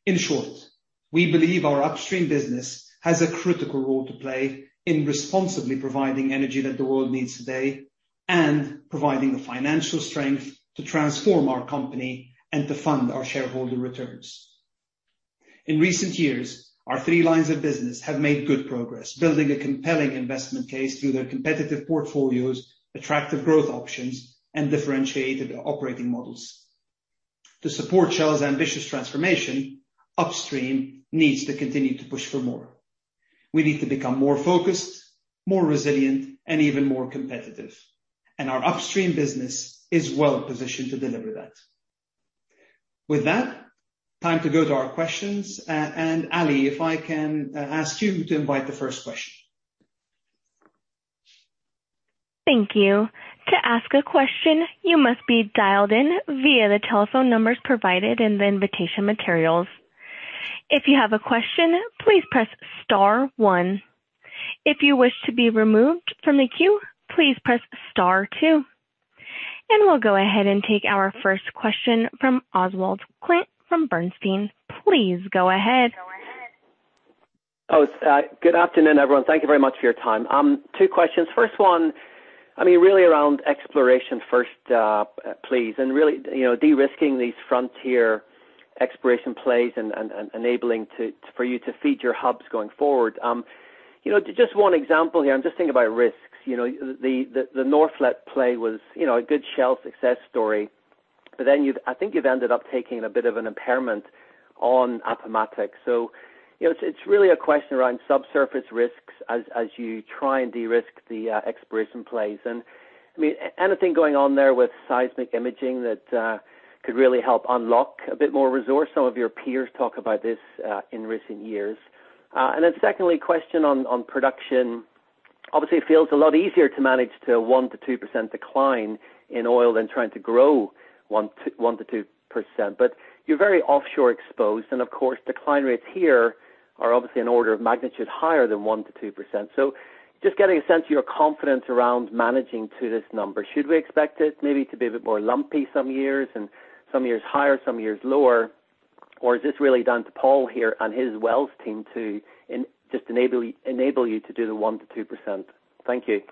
In short, we believe our Upstream business has a critical role to play in responsibly providing energy that the world needs today and providing the financial strength to transform our company and to fund our shareholder returns. In recent years, our three lines of business have made good progress building a compelling investment case through their competitive portfolios, attractive growth options, and differentiated operating models. To support Shell's ambitious transformation, Upstream needs to continue to push for more. We need to become more focused, more resilient, and even more competitive. Our Upstream business is well-positioned to deliver that. With that, time to go to our questions. Ally, if I can ask you to invite the first question. Thank you. To ask a question, you must be dialed in via the telephone numbers provided in the invitation materials. If you have a question, please press star one. If you wish to be removed from the queue, please press star two. We'll go ahead and take our first question from Oswald Clint from Bernstein. Please go ahead. Oswald. Good afternoon, everyone. Thank you very much for your time. Two questions. First one, really around exploration first, please. Really, de-risking these frontier exploration plays and enabling for you to feed your hubs going forward. Just one example here, I'm just thinking about risks. The Norphlet play was a good Shell success story, but then I think you've ended up taking a bit of an impairment on Appomattox. It's really a question around subsurface risks as you try and de-risk the exploration plays. Anything going on there with seismic imaging that could really help unlock a bit more resource? Some of your peers talk about this in recent years. Secondly, a question on production. Obviously, it feels a lot easier to manage to a 1% -2% decline in oil than trying to grow 1%-2%. You're very offshore exposed, and of course, decline rates here are obviously an order of magnitude higher than 1%-2%. Just getting a sense of your confidence around managing to this number. Should we expect it maybe to be a bit more lumpy some years, and some years higher, some years lower? Is this really down to Paul here and his wells team to just enable you to do the 1%-2%? Thank you.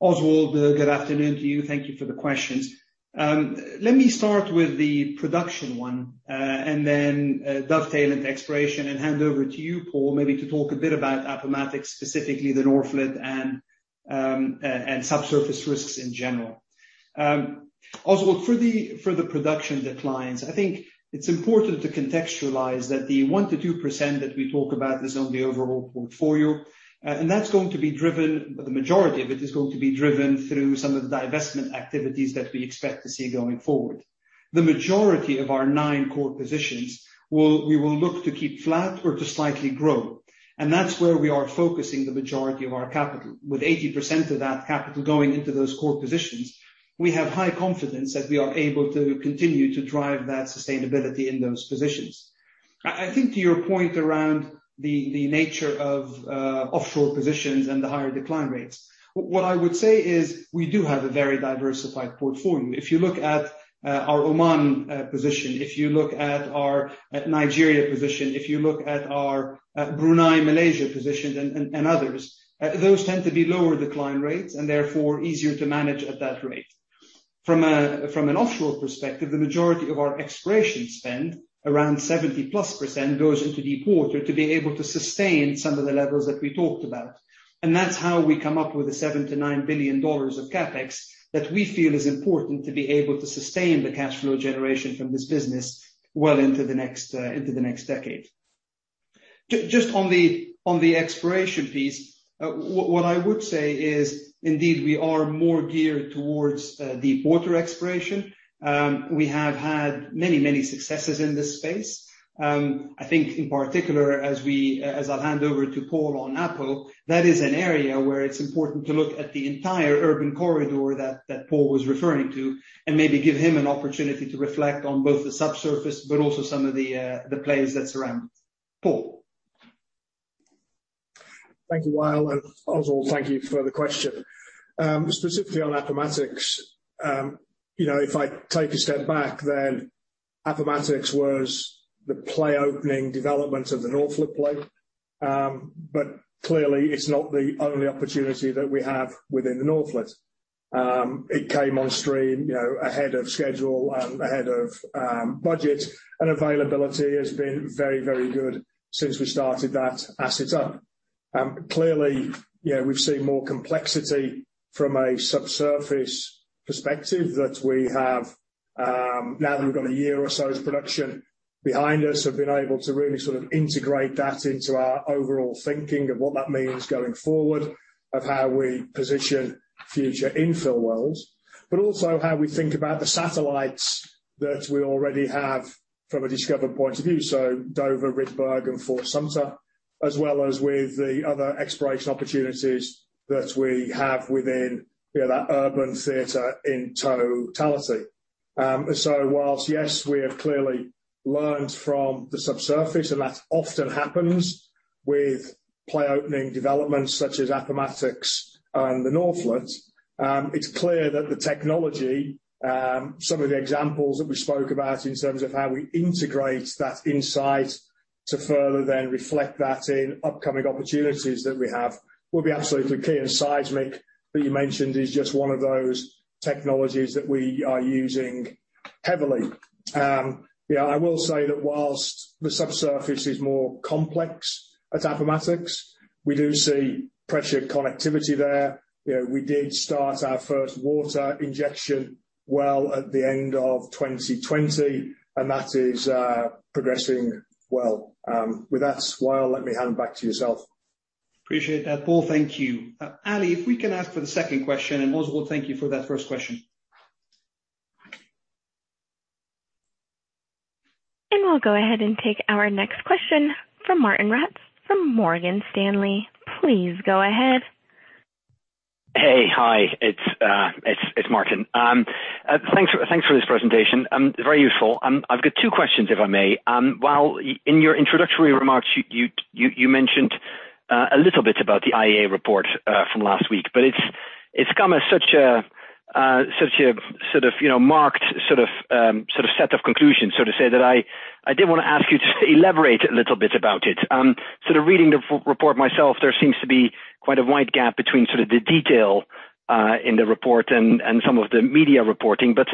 Oswald, good afternoon to you. Thank you for the questions. Let me start with the production one and then dovetail into exploration and hand over to you, Paul, maybe to talk a bit about Appomattox, specifically the North Flank and subsurface risks in general. Oswald, for the production declines, I think it's important to contextualize that the 1%-2% that we talk about is on the overall portfolio, and that's going to be driven, the majority of it is going to be driven through some of the divestment activities that we expect to see going forward. The majority of our nine core positions we will look to keep flat or to slightly grow, and that's where we are focusing the majority of our capital. With 80% of that capital going into those core positions, we have high confidence that we are able to continue to drive that sustainability in those positions. I think to your point around the nature of offshore positions and the higher decline rates, what I would say is we do have a very diversified portfolio. If you look at our Oman position, if you look at our Nigeria position, if you look at our Brunei Malaysia position and others, those tend to be lower decline rates and therefore easier to manage at that rate. From an offshore perspective, the majority of our exploration spend, around 70%+, goes into deep water to be able to sustain some of the levels that we talked about. That's how we come up with the $79 billion of CapEx that we feel is important to be able to sustain the cash flow generation from this business well into the next decade. Just on the exploration piece, what I would say is indeed, we are more geared towards deep water exploration. We have had many successes in this space. I think in particular, as I'll hand over to Paul on Appomattox, that is an area where it's important to look at the entire [urban corridor] that Paul was referring to and maybe give him an opportunity to reflect on both the subsurface but also some of the plays that surround. Paul. Thank you, Wael. Oswald, thank you for the question. Specifically on Appomattox, if I take a step back then, Appomattox was the play opening development of the Norphlet play. Clearly it's not the only opportunity that we have within the Norphlet. It came on stream ahead of schedule and ahead of budget, and availability has been very good since we started that asset up. Clearly, we've seen more complexity from a subsurface perspective that we have. Now that we've got a year or so of production behind us, we've been able to really sort of integrate that into our overall thinking of what that means going forward of how we position future infill wells, but also how we think about the satellites that we already have from a discover point of view. Dover, Rydberg, and Fort Sumter. As well as with the other exploration opportunities that we have within [urban theater] in totality. Whilst, yes, we have clearly learned from the subsurface, and that often happens with play opening developments such as Appomattox and the Norphlet, it's clear that the technology, some of the examples that we spoke about in terms of how we integrate that insight to further then reflect that in upcoming opportunities that we have, will be absolutely key, and seismic, that you mentioned, is just one of those technologies that we are using heavily. Yeah, I will say that whilst the subsurface is more complex at Appomattox, we do see pressure connectivity there. We did start our first water injection well at the end of 2020, and that is progressing well. With that, Wael, let me hand back to yourself. Appreciate that, Paul. Thank you. Ally if we can ask for the second question, and also Paul, thank you for that first question. I'll go ahead and take our next question from Martijn Rats from Morgan Stanley. Please go ahead. Hey. Hi, it's Martijn. Thanks for this presentation. Very useful. I've got two questions, if I may. Wael in your introductory remarks, you mentioned a little bit about the International Energy Agency report from last week, but it's come as such a marked set of conclusions, so to say, that I did want to ask you to elaborate a little bit about it. Reading the report myself, there seems to be quite a wide gap between the detail in the report and some of the media reporting, but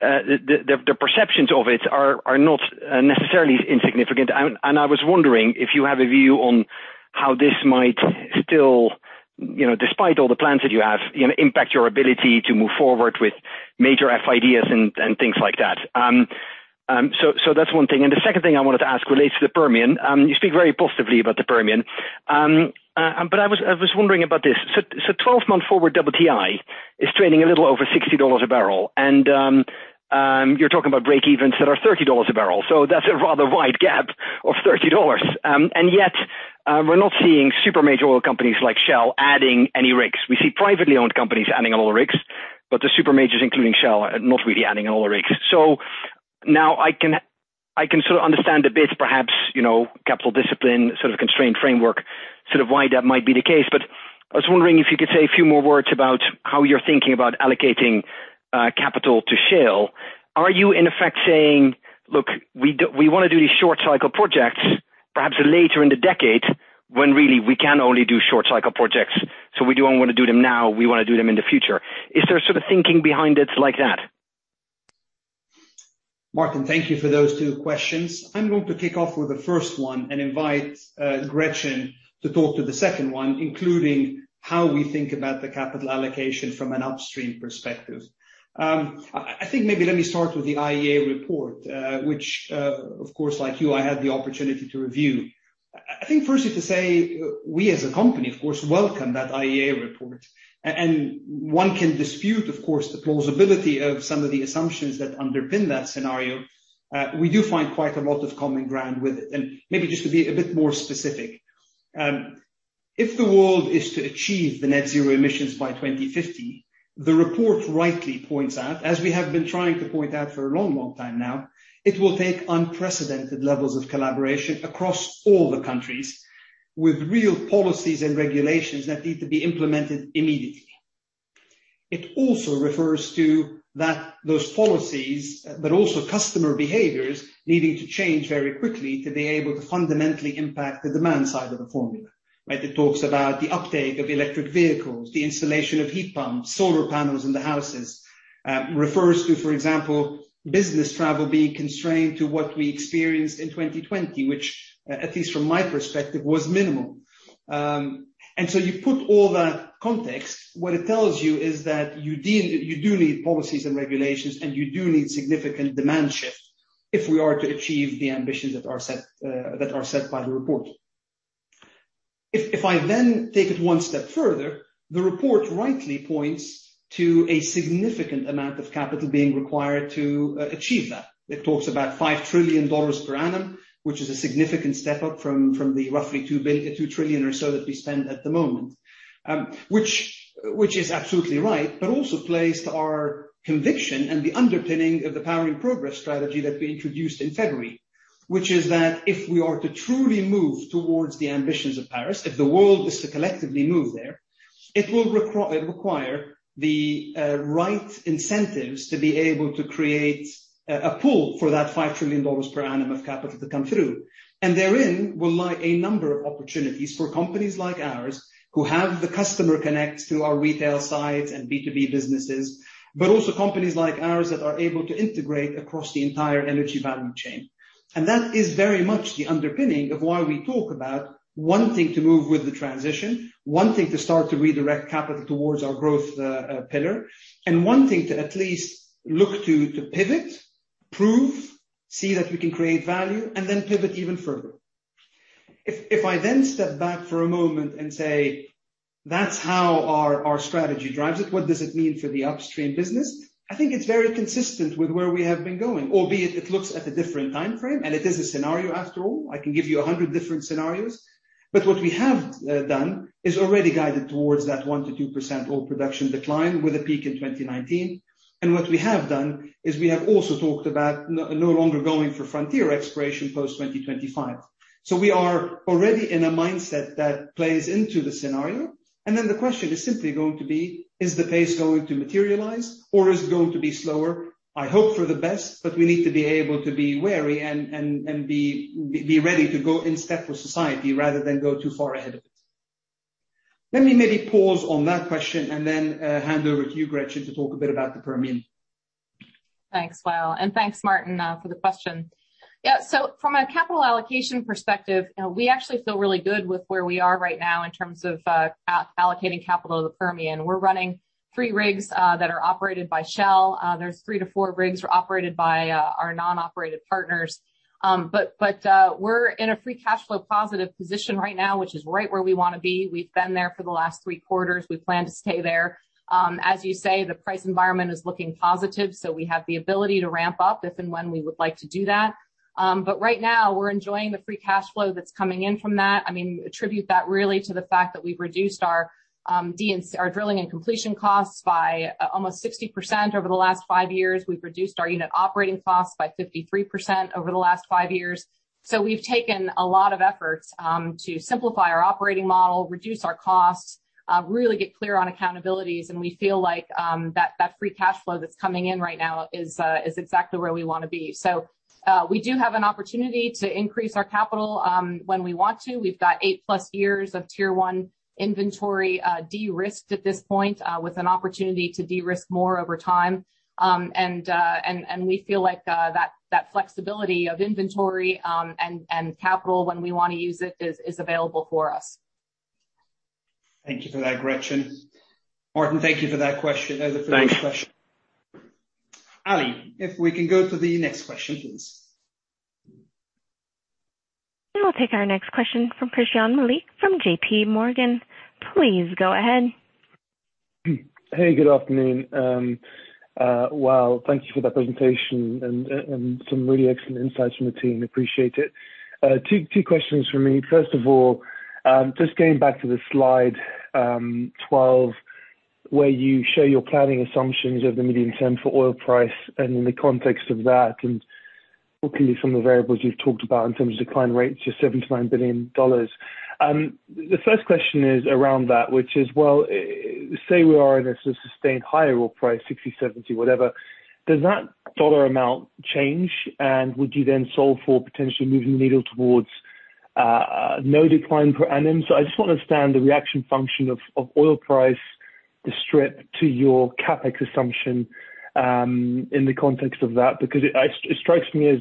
the perceptions of it are not necessarily insignificant. I was wondering if you have a view on how this might still, despite all the plans that you have, impact your ability to move forward with major FIDs and things like that. That's one thing. The second thing I wanted to ask relates to the Permian. You speak very positively about the Permian, but I was wondering about this. 12-month forward West Texas Intermediate is trading a little over $60 a barrel, and you're talking about breakevens that are $30 a barrel. That's a rather wide gap of $30. Yet, we're not seeing super major oil companies like Shell adding any rigs. We see privately owned companies adding oil rigs, but the super majors, including Shell, are not really adding oil rigs. Now I can sort of understand a bit, perhaps, capital discipline sort of constrained framework, sort of why that might be the case. I was wondering if you could say a few more words about how you're thinking about allocating capital to Shell. Are you in effect saying, "Look, we want to do these short cycle projects perhaps later in the decade, when really we can only do short cycle projects, so we don't want to do them now, we want to do them in the future." Is there sort of thinking behind it like that? Martijn, thank you for those two questions. I'm going to kick off with the first one and invite Gretchen to talk to the second one, including how we think about the capital allocation from an Upstream perspective. I think maybe let me start with the IEA report, which, of course, like you, I had the opportunity to review. I think firstly to say, we, as a company, of course, welcome that IEA report. One can dispute, of course, the plausibility of some of the assumptions that underpin that scenario. We do find quite a lot of common ground with it. Maybe just to be a bit more specific. If the world is to achieve the net-zero emissions by 2050, the report rightly points out, as we have been trying to point out for a long, long time now, it will take unprecedented levels of collaboration across all the countries with real policies and regulations that need to be implemented immediately. It also refers to that those policies, but also customer behaviors needing to change very quickly to be able to fundamentally impact the demand side of the formula. Right? It talks about the uptake of electric vehicles, the installation of heat pumps, solar panels in the houses. It refers to, for example, business travel being constrained to what we experienced in 2020, which, at least from my perspective, was minimal. You put all that context, what it tells you is that you do need policies and regulations, and you do need significant demand shift if we are to achieve the ambitions that are set by the report. If I take it one step further, the report rightly points to a significant amount of capital being required to achieve that. It talks about $5 trillion per annum, which is a significant step up from the roughly $2 trillion or so that we spend at the moment, which is absolutely right, but also plays to our conviction and the underpinning of the Powering Progress strategy that we introduced in February. Which is that if we are to truly move towards the ambitions of Paris, if the world is to collectively move there, it will require the right incentives to be able to create a pool for that $5 trillion per annum of capital to come through. Therein will lie a number of opportunities for companies like ours who have the customer connects through our retail sides and B2B businesses, but also companies like ours that are able to integrate across the entire energy value chain. That is very much the underpinning of why we talk about wanting to move with the transition, wanting to start to redirect capital towards our growth pillar, and wanting to at least look to pivot, prove, see that we can create value, and then pivot even further. If I then step back for a moment and say, that's how our strategy drives it. What does it mean for the Upstream business? I think it's very consistent with where we have been going, albeit it looks at a different time frame, and it is a scenario, after all. I can give you 100 different scenarios. What we have done is already guided towards that 1%-2% oil production decline with a peak in 2019. What we have done is we have also talked about no longer going for frontier exploration post 2025. We are already in a mindset that plays into the scenario. The question is simply going to be, is the pace going to materialize or is it going to be slower? I hope for the best, but we need to be able to be wary and be ready to go in step with society rather than go too far ahead of it. Let me maybe pause on that question and then hand over to you, Gretchen, to talk a bit about the Permian. Thanks, Wael. And thanks, Martijn, for the question. Yeah. From a capital allocation perspective, we actually feel really good with where we are right now in terms of allocating capital to the Permian. We're running three rigs that are operated by Shell. There's three to four rigs are operated by our non-operated partners. We're in a free cash flow positive position right now, which is right where we want to be. We've been there for the last three quarters. We plan to stay there. As you say, the price environment is looking positive, we have the ability to ramp up if and when we would like to do that. Right now, we're enjoying the free cash flow that's coming in from that. I mean, attribute that really to the fact that we've reduced our drilling and completion costs by almost 60% over the last five years. We've reduced our unit operating costs by 53% over the last five years. We've taken a lot of efforts to simplify our operating model, reduce our costs, really get clear on accountabilities. We feel like that free cash flow that's coming in right now is exactly where we want to be. We do have an opportunity to increase our capital when we want to. We've got 8+ years of Tier 1 inventory de-risked at this point with an opportunity to de-risked more over time. We feel like that flexibility of inventory and capital when we want to use it is available for us. Thank you for that, Gretchen. Martijn, thank you for that question. That was a good question. Thanks. Ally, if we can go to the next question, please. I'll take our next question from Christyan Malek from JPMorgan. Please go ahead. Hey, good afternoon. Wael, thank you for that presentation and some really excellent insights from the team. Appreciate it. Two questions from me. First of all, just going back to the slide 12 where you share your planning assumptions of the median term for oil price and in the context of that and luckily some of the variables you've talked about in terms of decline rates are $79 billion. The first question is around that, which is, well, say we are in a sort of sustained higher oil price, $60, $70, whatever. Does that dollar amount change? Would you then solve for potentially moving the needle towards no decline per annum? I just want to understand the reaction function of oil price to strip to your CapEx assumption in the context of that. It strikes me as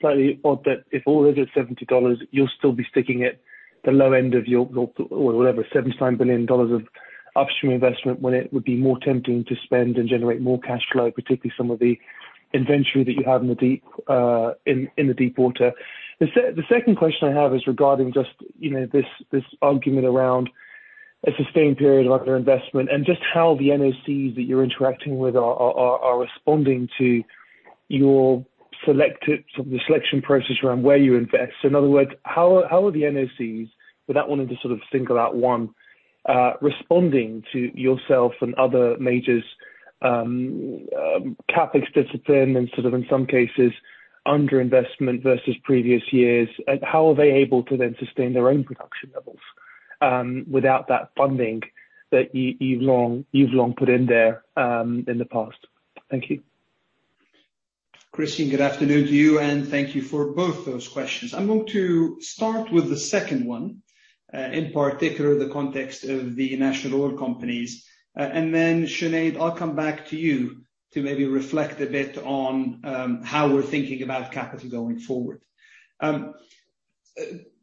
slightly odd that if oil is at $70, you'll still be sticking at the low end of your, or whatever, $79 billion of Upstream investment when it would be more tempting to spend and generate more cash flow, particularly some of the inventory that you have in the deep water. The second question I have is regarding this argument around a sustained period of underinvestment and just how the National Oil Companies that you're interacting with are responding to your selection process around where you invest. In other words, how are the NOCs, without wanting to sort of single out one, responding to yourself and other majors' CapEx discipline and sort of in some cases under-investment versus previous years? How are they able to then sustain their own production levels without that funding that you've long put in there in the past? Thank you. Christyan, good afternoon to you, and thank you for both those questions. I'm going to start with the second one, in particular, the context of the national oil companies. Sinead, I'll come back to you to maybe reflect a bit on how we're thinking about capital going forward. Christyan,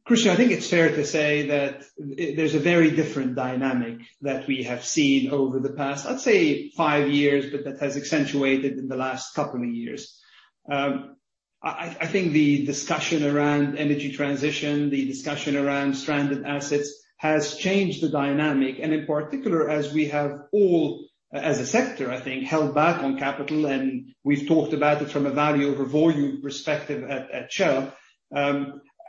I think it's fair to say that there's a very different dynamic that we have seen over the past, I'd say five years, but that has accentuated in the last couple of years. I think the discussion around energy transition, the discussion around stranded assets has changed the dynamic. In particular, as we have all, as a sector, I think, held back on capital, and we've talked about it from a value over volume perspective at Shell.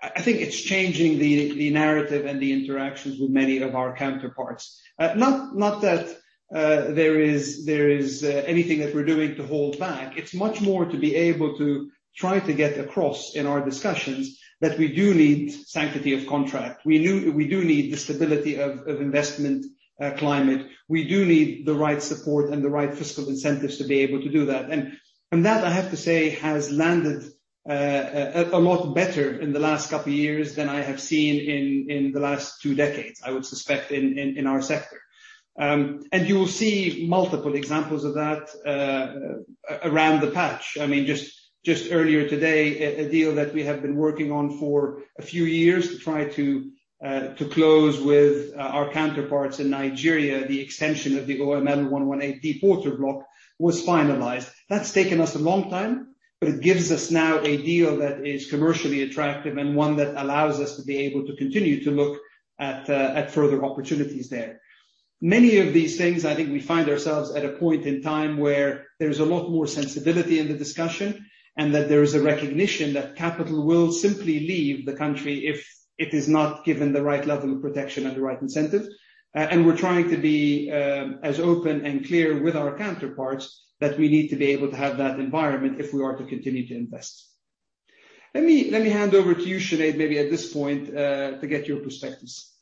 I think it's changing the narrative and the interactions with many of our counterparts. Not that there is anything that we're doing to hold back. It's much more to be able to try to get across in our discussions that we do need sanctity of contract. We do need the stability of investment climate. We do need the right support and the right fiscal incentives to be able to do that. That, I have to say, has landed a lot better in the last couple of years than I have seen in the last two decades, I would suspect, in our sector. You'll see multiple examples of that around the patch. I mean, just earlier today, a deal that we have been working on for a few years to try to close with our counterparts in Nigeria. Extension of the OML 118 Bonga block was finalized. That's taken us a long time, but it gives us now a deal that is commercially attractive and one that allows us to be able to continue to look at further opportunities there. Many of these things, I think we find ourselves at a point in time where there's a lot more sensibility in the discussion, and that there is a recognition that capital will simply leave the country if it is not given the right level of protection and the right incentive. We're trying to be as open and clear with our counterparts that we need to be able to have that environment if we are to continue to invest. Let me hand over to you, Sinead, maybe at this point, to get your perspectives.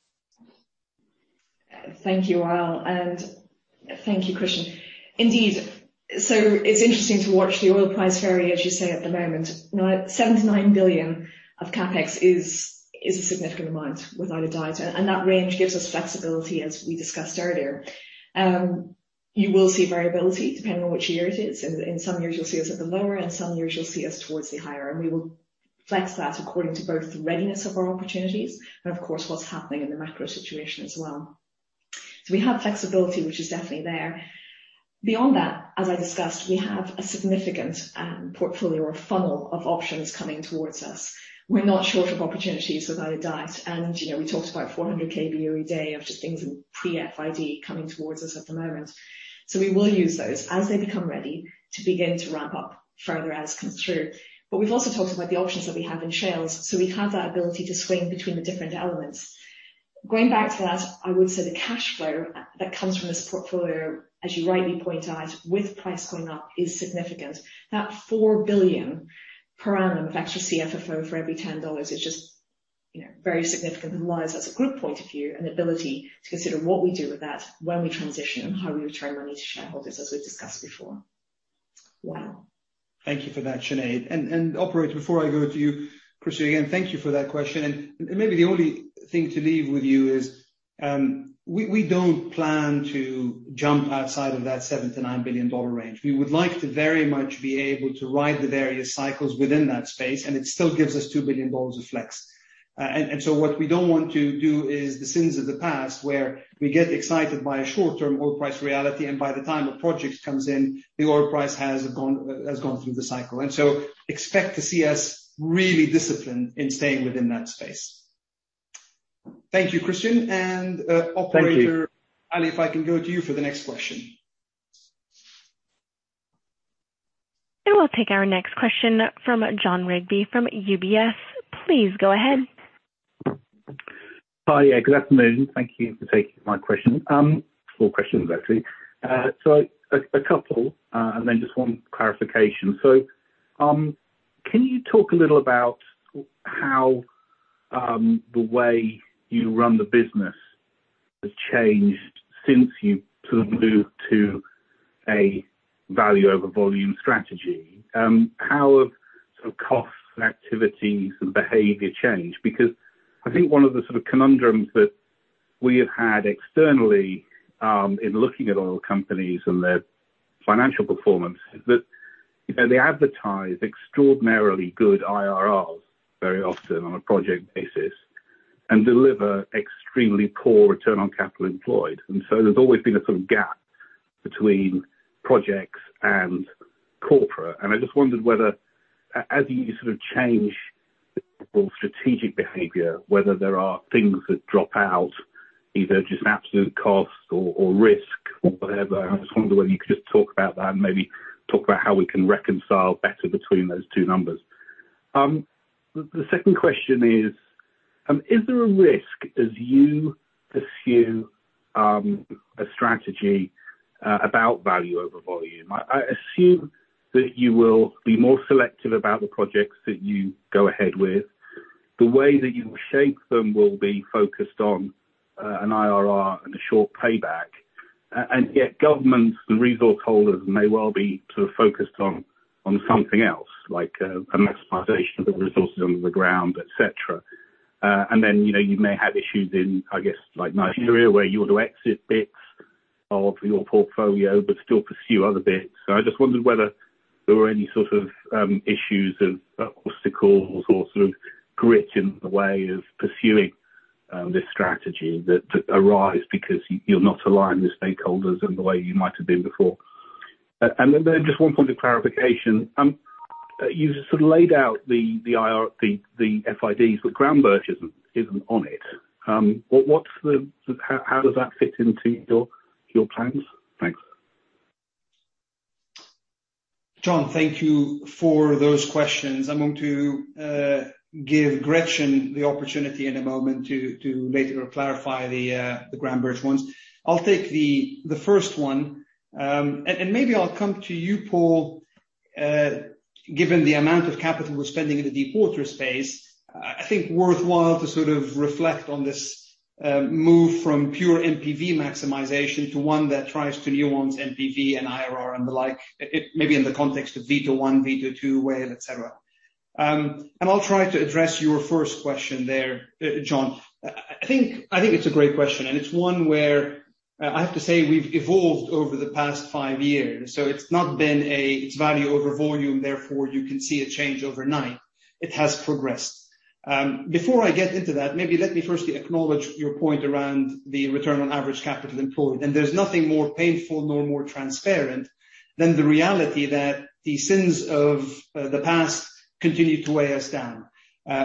Thank you, Wael, and thank you, Christyan. Indeed. It's interesting to watch the oil price area, as you say, at the moment. At $79 billion of CapEx is a significant amount without a doubt. That range gives us flexibility, as we discussed earlier. You will see variability depending on which year it is. In some years, you'll see us at the lower end, some years you'll see us towards the higher. We will flex that according to both the readiness of our opportunities and, of course, what's happening in the macro situation as well. We have flexibility, which is definitely there. Beyond that, as I discussed, we have a significant portfolio or funnel of options coming towards us. We're not short of opportunities without a doubt. We talked about 400 kboed of just things in pre-FID coming towards us at the moment. We will use those as they become ready to begin to ramp up further as comes through. We've also talked about the options that we have in Shell, so we have that ability to swing between the different elements. Going back to that, I would say the cash flow that comes from this portfolio, as you rightly point out, with price going up, is significant. That $4 billion per annum factor CFFO for every $10 is just very significant and allows us a good point of view and ability to consider what we do with that when we transition and how we return them to shareholders, as we discussed before. Wow. Thank you for that, Sinead. Operator, before I go to you, Christyan, again, thank you for that question. Maybe the only thing to leave with you is, we don't plan to jump outside of that $7 billion-$9 billion range. We would like to very much be able to ride the various cycles within that space, it still gives us $2 billion of flex. What we don't want to do is the sins of the past, where we get excited by a short-term oil price reality, by the time the project comes in, the oil price has gone through the cycle. Expect to see us really disciplined in staying within that space. Thank you, Christyan. Operator? Thank you. Ally, if I can go to you for the next question? We'll take our next question from Jon Rigby from UBS. Please go ahead. Hi. Good afternoon. Thank you for taking my question. Four questions, actually. A couple, and then just one clarification. Can you talk a little about how the way you run the business has changed since you moved to a value over volume strategy? How have costs, activities, and behavior changed? I think one of the conundrums that we have had externally, in looking at oil companies and their financial performance, is that they advertise extraordinarily good IRRs very often on a project basis and deliver extremely poor return on capital employed. There's always been a sort of gap between projects and corporate. I just wondered whether, as you sort of change strategic behavior, whether there are things that drop out, either just absolute cost or risk or whatever. I just wondered whether you could talk about that and maybe talk about how we can reconcile better between those two numbers. The second question is there a risk as you pursue a strategy about value over volume? I assume that you will be more selective about the projects that you go ahead with. The way that you shape them will be focused on an IRR and a short payback. Yet governments and resource holders may well be sort of focused on something else, like a maximization of resources under the ground, et cetera. You may have issues in, I guess like Nigeria, where you want to exit bits of your portfolio but still pursue other bits. I just wondered whether there were any sort of issues of obstacles or sort of grit in the way of pursuing this strategy that arise because you're not aligned with stakeholders in the way you might have been before. Just one point of clarification. You sort of laid out the FID, but Groundbirch isn't on it. How does that fit into your plans? Thanks. Jon, thank you for those questions. I'm going to give Gretchen the opportunity in a moment to maybe clarify the Groundbirch ones. I'll take the first one, then maybe I'll come to you, Paul, given the amount of capital we're spending in the deepwater space, I think worthwhile to sort of reflect on this move from pure Net Present Value maximization to one that tries to balance NPV and IRR and the like, maybe in the context of V1, V2, Wave, et cetera. I'll try to address your first question there, Jon. I think it's a great question, and it's one where I have to say we've evolved over the past five years, so it's not been a value over volume, therefore you can see a change overnight. It has progressed. Before I get into that, maybe let me first acknowledge your point around the return on average capital employed. There's nothing more painful nor more transparent than the reality that the sins of the past continue to weigh us down.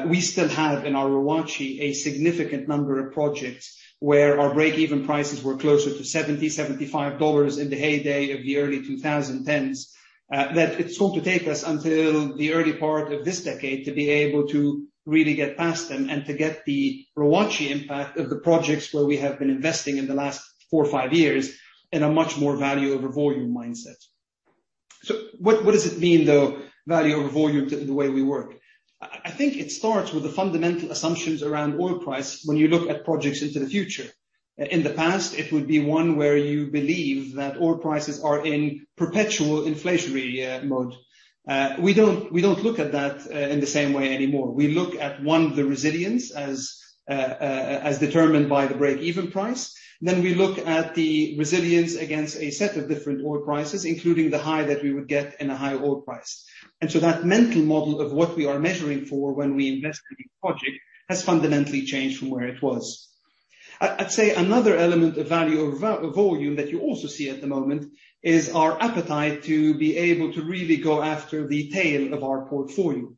We still have, in our Return on Average Capital Employed, a significant number of projects where our breakeven prices were closer to $70, $75 in the heyday of the early 2010s. It's going to take us until the early part of this decade to be able to really get past them and to get the ROACE impact of the projects where we have been investing in the last four or five years in a much more value over volume mindset. What does it mean, though, value over volume in the way we work? I think it starts with the fundamental assumptions around oil price when you look at projects into the future. In the past, it would be one where you believe that oil prices are in perpetual inflationary mode. We don't look at that in the same way anymore. We look at one, the resilience as determined by the breakeven price. We look at the resilience against a set of different oil prices, including the high that we would get in a high oil price. That mental model of what we are measuring for when we invest in a project has fundamentally changed from where it was. I'd say another element of value over volume that you also see at the moment is our appetite to be able to really go after the tail of our portfolio.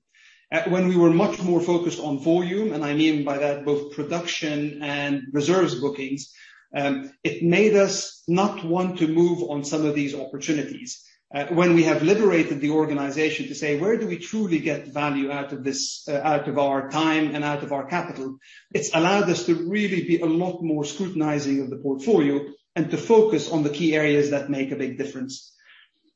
When we were much more focused on volume, and I mean by that both production and reserves bookings, it made us not want to move on some of these opportunities. When we have liberated the organization to say, "Where do we truly get value out of our time and out of our capital?" It's allowed us to really be a lot more scrutinizing of the portfolio and to focus on the key areas that make a big difference.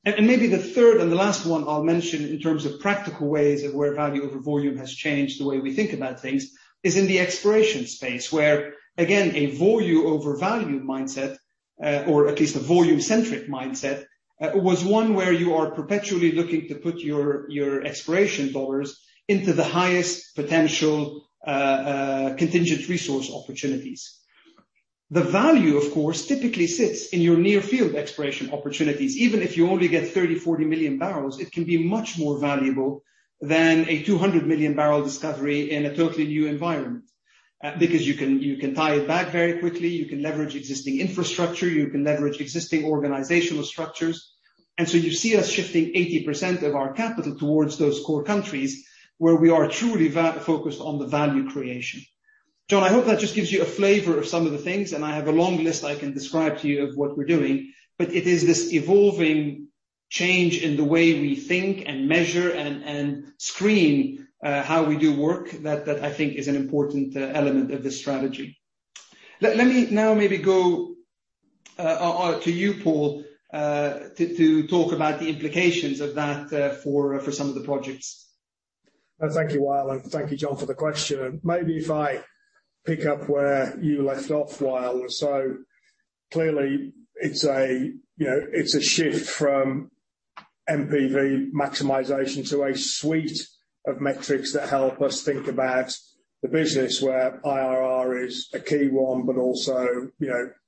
Maybe the third and the last one I'll mention in terms of practical ways of where value over volume has changed the way we think about things is in the exploration space, where again, a volume over value mindset, or at least a volume centric mindset, was one where you are perpetually looking to put your exploration dollars into the highest potential contingent resource opportunities. The value, of course, typically sits in your near-field exploration opportunities. Even if you only get 30 million bbl, 40 million bbl, it can be much more valuable than a 200 million bbl discovery in a totally new environment. You can tie it back very quickly, you can leverage existing infrastructure, you can leverage existing organizational structures. You see us shifting 80% of our capital towards those core countries where we are truly focused on the value creation. I hope that just gives you a flavor of some of the things, and I have a long list I can describe to you of what we're doing, but it is this evolving change in the way we think and measure and screen how we do work that I think is an important element of this strategy. Let me now maybe go to you, Paul, to talk about the implications of that for some of the projects. Thank you, Wael. Thank you, Jon, for the question. Maybe if I pick up where you left off, Wael. Clearly it's a shift from NPV maximization to a suite of metrics that help us think about the business where IRR is a key one, but also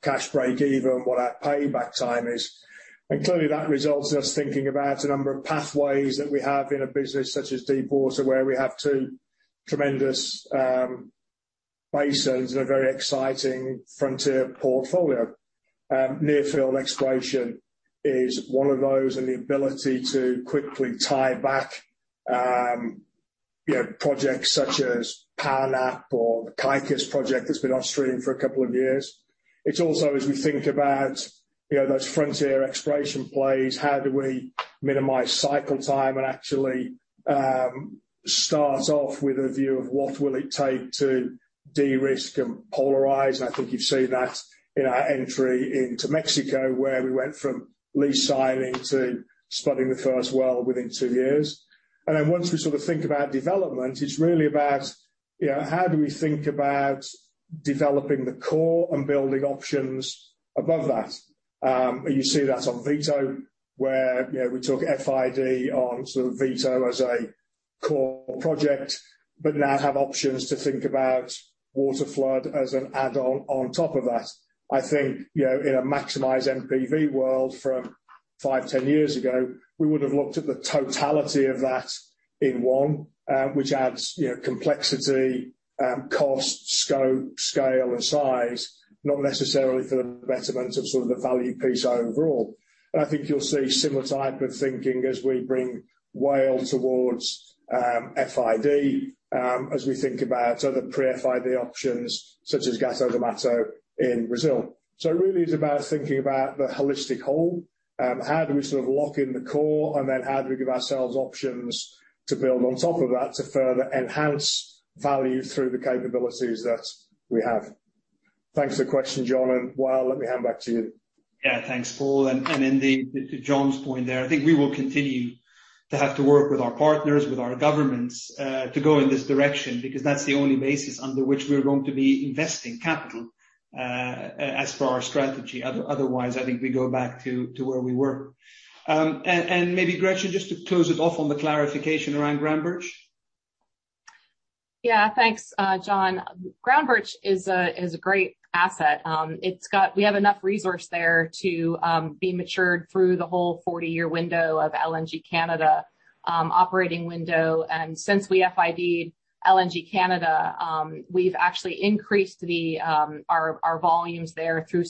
cash breakeven, what that payback time is. Clearly that results in us thinking about a number of pathways that we have in a business such as deep water, where we have two tremendous basins and a very exciting frontier portfolio. Near-field exploration is one of those, and the ability to quickly tie back projects such as PowerNap or the Kaikias project that's been offstream for a couple of years. It's also as we think about those frontier exploration plays, how do we minimize cycle time and actually start off with a view of what will it take to de-risk and polarize? I think you see that in our entry into Mexico, where we went from lease signing to spotting the first well within two years. Once we sort of think about development, it's really about how do we think about developing the core and building options above that? You see that on Vito, where we took FID on sort of Vito as a core project, but now have options to think about water flood as an add-on on top of that. I think, in a maximize NPV world from five, 10 years ago, we would have looked at the totality of that in one, which adds complexity, cost, scope, scale, and size, not necessarily for the betterment of sort of the value piece overall. I think you'll see a similar type of thinking as we bring Whale towards FID, as we think about other pre-FID options such as Gato do Mato in Brazil. It really is about thinking about the holistic whole, how do we sort of lock in the core, then how do we give ourselves options to build on top of that to further enhance value through the capabilities that we have. Thanks for the question, Jon. Wael, let me hand back to you. Yeah, thanks, Paul. Indeed, to Jon's point there, I think we will continue to have to work with our partners, with our governments, to go in this direction, because that's the only basis under which we're going to be investing capital, as for our strategy. Otherwise, I think we go back to where we were. Maybe, Gretchen, just to close it off on the clarification around Groundbirch. Yeah, thanks, Jon. Groundbirch is a great asset. We have enough resource there to be matured through the whole 40-year window of LNG Canada Operating window. Since we FID LNG Canada, we've actually increased our volumes there through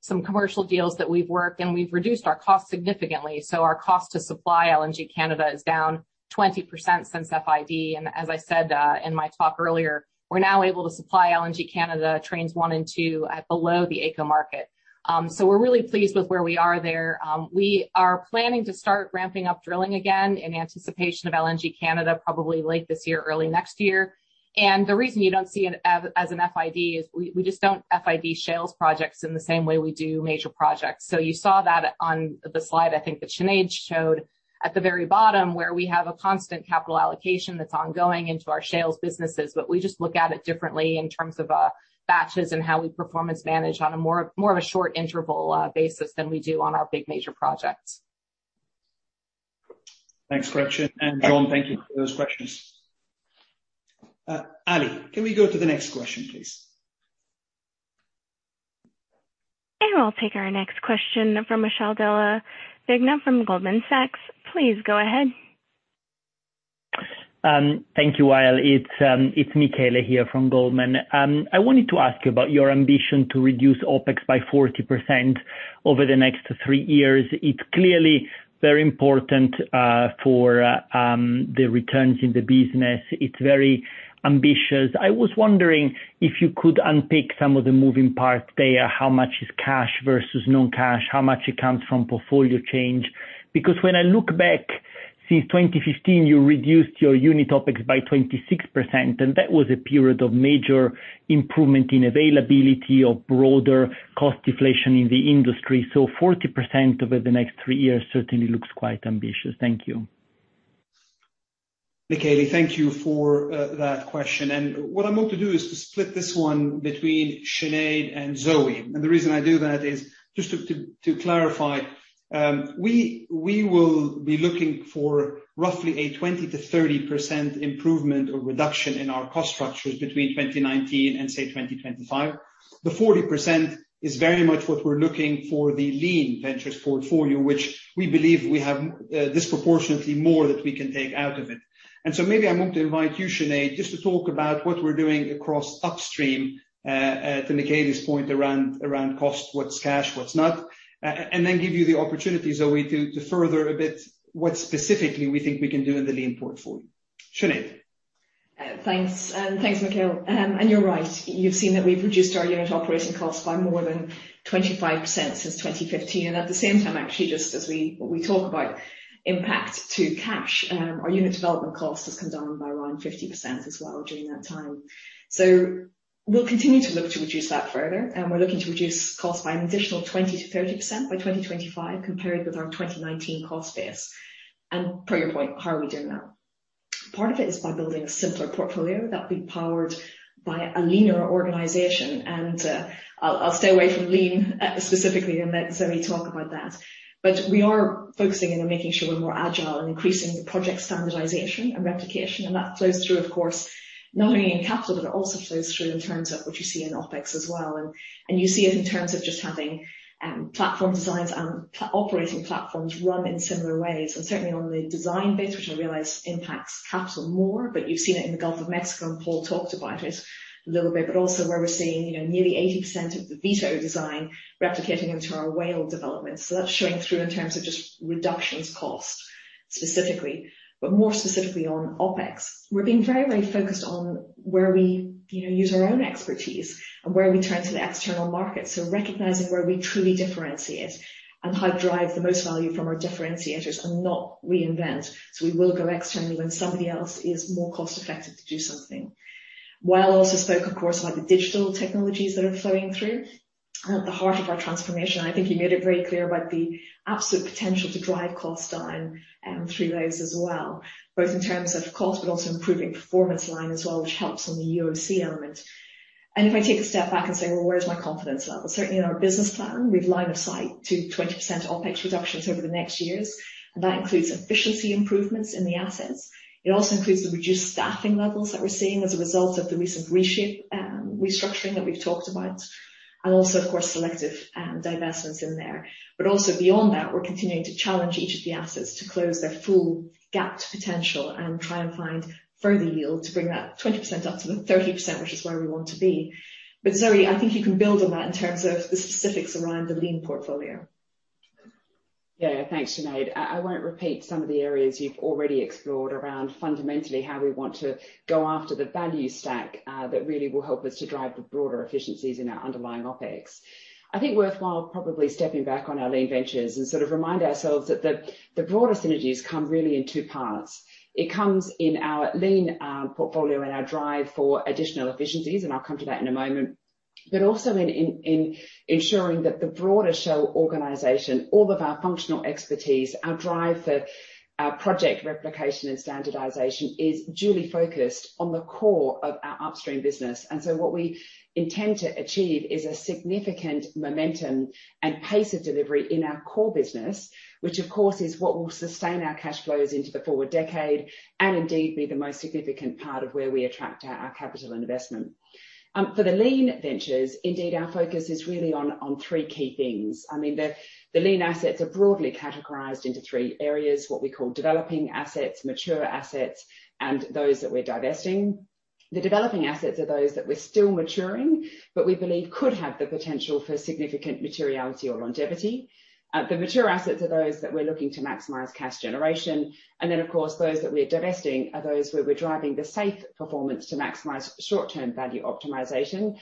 some commercial deals that we've worked, and we've reduced our cost significantly. Our cost to supply LNG Canada is down 20% since FID. As I said in my talk earlier, we're now able to supply LNG Canada Trains 1 and 2 at below the AECO market. We're really pleased with where we are there. We are planning to start ramping up drilling again in anticipation of LNG Canada probably late this year, early next year. The reason you don't see it as an FID is we just don't FID Shales projects in the same way we do major projects. You saw that on the slide, I think that Sinead showed at the very bottom where we have a constant capital allocation that's ongoing into our Shales businesses. We just look at it differently in terms of batches and how we performance-manage on a more short interval basis than we do on our big major projects. Thanks, Gretchen and Jon, thank you for those questions. Ally, can we go to the next question, please? I'll take our next question from Michele Della Vigna from Goldman Sachs. Please go ahead. Thank you. It is Michele here from Goldman Sachs. I wanted to ask you about your ambition to reduce OpEx by 40% over the next three years. It is clearly very important for the returns in the business. It is very ambitious. I was wondering if you could unpick some of the moving parts there. How much is cash versus non-cash? How much accounts from portfolio change? When I look back since 2015, you reduced your unit OpEx by 26%, and that was a period of major improvement in availability of broader cost deflation in the industry. 40% over the next three years certainly looks quite ambitious. Thank you. Michele, thank you for that question. What I want to do is to split this one between Sinead and Zoë. The reason I do that is just to clarify, we will be looking for roughly a 20%-30% improvement or reduction in our cost structures between 2019 and say 2025. The 40% is very much what we're looking for the lean ventures portfolio, which we believe we have disproportionately more that we can take out of it. Maybe I want to invite you, Sinead, just to talk about what we're doing across Upstream to Michele's point around cost, what's cash, what's not, and then give you the opportunity, Zoë, to further a bit what specifically we think we can do in the lean portfolio. Sinead? Thanks, Michele. You're right. You've seen that we've reduced our unit operating costs by more than 25% since 2015. At the same time, actually, just as we talk about impact to cash, our unit development cost has come down by around 50% as well during that time. We'll continue to look to reduce that further, and we're looking to reduce cost by an additional 20%-30% by 2025 compared with our 2019 cost base. To your point, how are we doing that? Part of it is by building a simpler portfolio that'll be powered by a leaner organization. I'll stay away from lean specifically and let Zoë talk about that. We are focusing on making sure we're more agile, increasing the project standardization and replication, and that flows through, of course, not only in capital, but it also flows through in terms of what you see in OpEx as well. You see it in terms of just having platform designs and operating platforms run in similar ways. Certainly on the design bit, which I realize impacts capital more, but you've seen it in Gulf of Mexico, and Paul talked about it a little bit, but also where we're seeing nearly 80% of the Vito design replicating into our Whale development. That's showing through in terms of just reductions cost specifically. More specifically on OpEx, we're being very focused on where we use our own expertise and where we turn to the external market. Recognizing where we truly differentiate and how to drive the most value from our differentiators and not reinvent. We will go externally when somebody else is more cost-effective to do something. Wael also spoke, of course, about the digital technologies that are flowing through at the heart of our transformation. I think he made it very clear about the absolute potential to drive cost down through those as well, both in terms of cost, but also improving performance line as well, which helps on the UOC element. If I take a step back and say, "Well, where's my confidence level?" Certainly our business plan, we've line of sight to 20% OpEx reductions over the next years. That includes efficiency improvements in the assets. It also includes the reduced staffing levels that we're seeing as a result of the recent restructuring that we've talked about, and also, of course, selective divestments in there. Also beyond that, we're continuing to challenge each of the assets to close their full gap potential and try and find further yield to bring that 20% up to the 30%, which is where we want to be. Zoë, I think you can build on that in terms of the specifics around the lean portfolio. Thanks, Sinead. I won't repeat some of the areas you've already explored around fundamentally how we want to go after the value stack that really will help us to drive the broader efficiencies in our underlying OpEx. I think worthwhile probably stepping back on our lean ventures and sort of remind ourselves that the broader synergies come really in two parts. It comes in our lean portfolio and our drive for additional efficiencies, and I'll come to that in a moment. But also in ensuring that the broader Shell organization, all of our functional expertise, our drive for project replication and standardization, is duly focused on the core of our Upstream business. What we intend to achieve is a significant momentum and pace of delivery in our core business, which of course is what will sustain our cash flows into the forward decade and indeed be the most significant part of where we attract our capital investment. For the lean ventures, indeed, our focus is really on three key themes. I mean, the lean assets are broadly categorized into three areas, what we call developing assets, mature assets, and those that we're divesting. The developing assets are those that we're still maturing, but we believe could have the potential for significant materiality or longevity. The mature assets are those that we're looking to maximize cash generation. Of course, those that we're divesting are those where we're driving the safe performance to maximize short-term value optimization.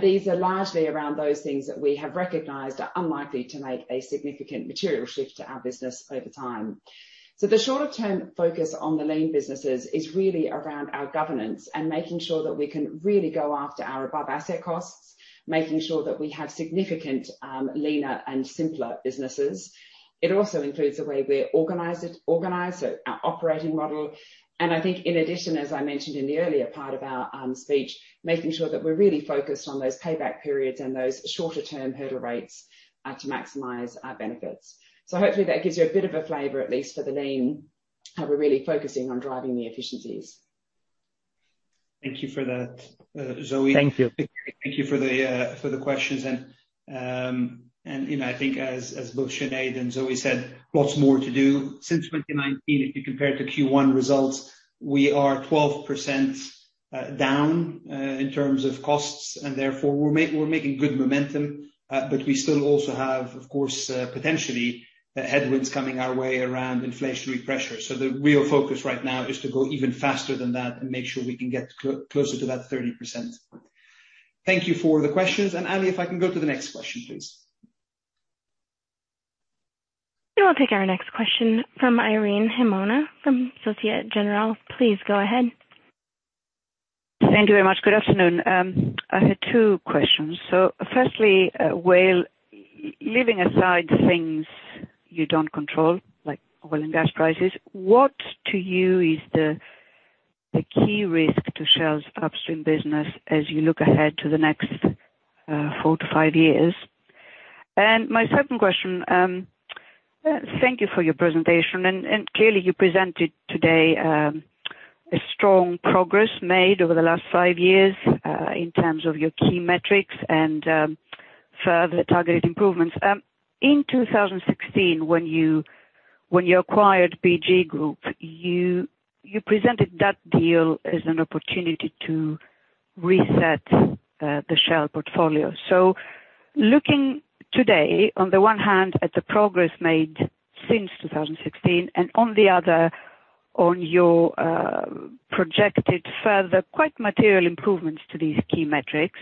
These are largely around those things that we have recognized are unlikely to make a significant material shift to our business over time. The shorter-term focus on the lean businesses is really around our governance and making sure that we can really go after our above asset costs, making sure that we have significant, leaner and simpler businesses. It also includes the way we're organized, our operating model. I think in addition, as I mentioned in the earlier part of our speech, making sure that we're really focused on those payback periods and those shorter-term hurdle rates to maximize our benefits. Hopefully that gives you a bit of a flavor, at least for the lean. We're really focusing on driving the efficiencies. Thank you for that, Zoë. Thank you. Thank you for the questions and I think as both Sinead and Zoë said, lots more to do. Since 2019, if you compare to Q1 results, we are 12% down in terms of costs, and therefore we're making good momentum. We still also have, of course, potentially headwinds coming our way around inflationary pressure. The real focus right now is to go even faster than that and make sure we can get closer to that 30%. Thank you for the questions. Ally, if I can go to the next question, please. I'll take our next question from Irene Himona from Société Générale. Please go ahead. Thank you very much. Good afternoon. I have two questions. Firstly, Wael, leaving aside things you don't control, like oil and gas prices, what to you is the key risk to Shell's Upstream business as you look ahead to the next four to five years? My second question, thank you for your presentation. Clearly, you presented today a strong progress made over the last five years in terms of your key metrics and further targeted improvements. In 2016, when you acquired BG Group, you presented that deal as an opportunity to reset the Shell portfolio. Looking today, on the one hand, at the progress made since 2016 and on the other, on your projected further quite material improvements to these key metrics,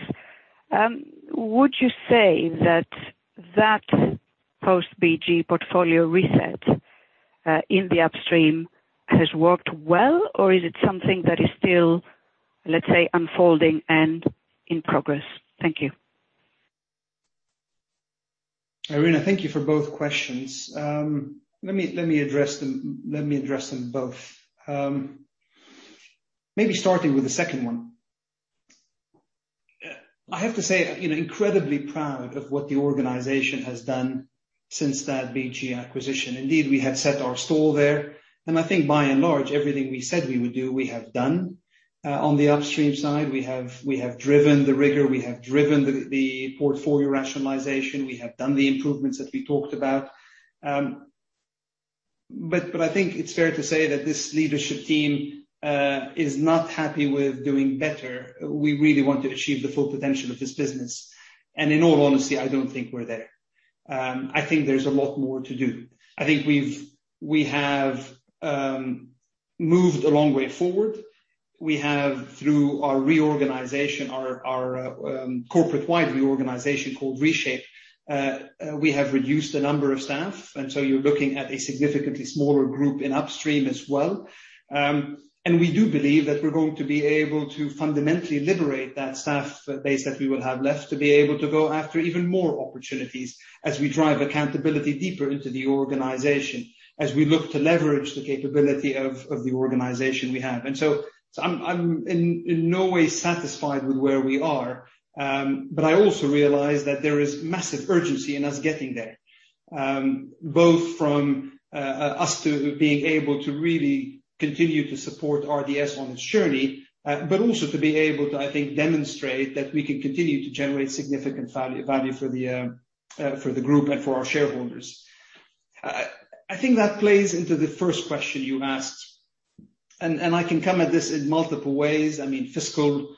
would you say that that post-BG portfolio reset in the Upstream has worked well, or is it something that is still, let's say, unfolding and in progress? Thank you. Irene, thank you for both questions. Let me address them both. Maybe starting with the second one. I have to say, I'm incredibly proud of what the organization has done since that BG acquisition. Indeed, we have set our stall there, and I think by and large, everything we said we would do, we have done. On the Upstream side, we have driven the rigor, we have driven the portfolio rationalization, we have done the improvements that we talked about. I think it's fair to say that this leadership team is not happy with doing better. We really want to achieve the full potential of this business. In all honesty, I don't think we're there. I think there's a lot more to do. I think we have moved a long way forward. We have through our reorganization, our corporate-wide reorganization called Reshape, we have reduced the number of staff. You're looking at a significantly smaller group in Upstream as well. We do believe that we're going to be able to fundamentally liberate that staff base that we will have left to be able to go after even more opportunities as we drive accountability deeper into the organization, as we look to leverage the capability of the organization we have. I'm in no way satisfied with where we are. I also realize that there is massive urgency in us getting there, both from us to being able to really continue to support RDS on its journey, also to be able to, I think, demonstrate that we can continue to generate significant value for the group and for our shareholders. I think that plays into the first question you asked, and I can come at this in multiple ways. I mean, fiscal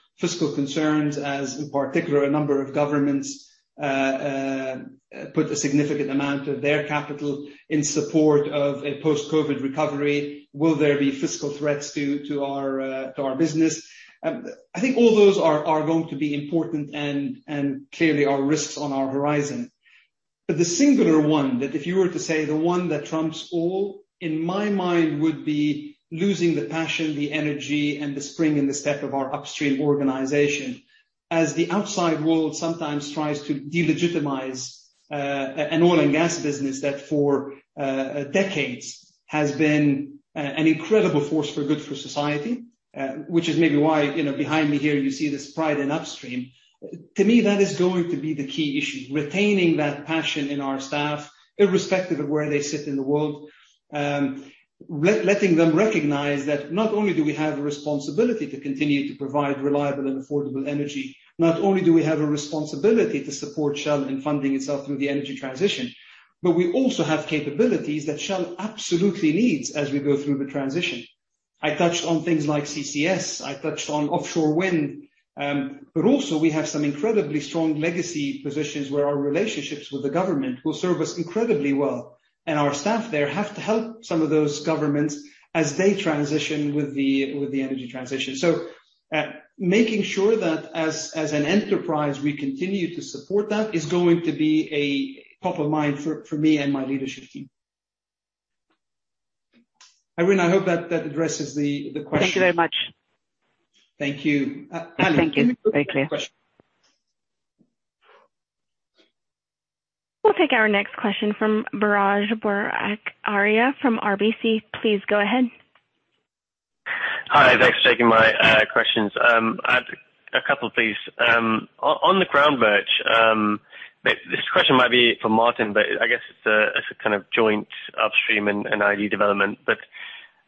concerns as in particular, a number of governments put a significant amount of their capital in support of a post-COVID recovery. Will there be fiscal threats to our business? I think all those are going to be important and clearly are risks on our horizon. The singular one that if you were to say the one that trumps all, in my mind, would be losing the passion, the energy, and the spring in the step of our Upstream organization. As the outside world sometimes tries to delegitimize an oil and gas business that for decades has been an incredible force for good for society, which is maybe why behind me here you see this pride in Upstream. To me, that is going to be the key issue, retaining that passion in our staff, irrespective of where they sit in the world. Letting them recognize that not only do we have a responsibility to continue to provide reliable and affordable energy, not only do we have a responsibility to support Shell in funding itself through the energy transition. We also have capabilities that Shell absolutely needs as we go through the transition. I touched on things like Carbon Capture and Storage, I touched on offshore wind, but also we have some incredibly strong legacy positions where our relationships with the government will serve us incredibly well. Our staff there have to help some of those governments as they transition with the energy transition. Making sure that as an enterprise, we continue to support that is going to be a top of mind for me and my leadership team. Irene, I hope that addresses the question. Thank you very much. Thank you. Thank you. Take care. We'll take our next question from Biraj Borkhataria from RBC. Please go ahead. Hi, thanks for taking my questions. A couple, please. On the Groundbirch, this question might be for Martijn, but I guess it's a kind of joint Upstream and IG development.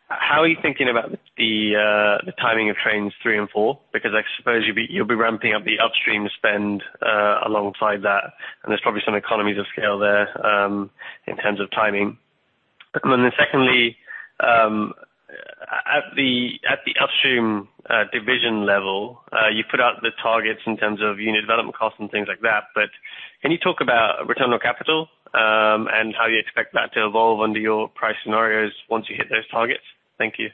How are you thinking about the timing of trains three and four? I suppose you'll be ramping up the Upstream spend alongside that, and there's probably some economies of scale there in terms of timing. Secondly, at the Upstream division level, you put out the targets in terms of unit development cost and things like that, but can you talk about return on capital and how you expect that to evolve under your price scenarios once you hit those targets? Thank you.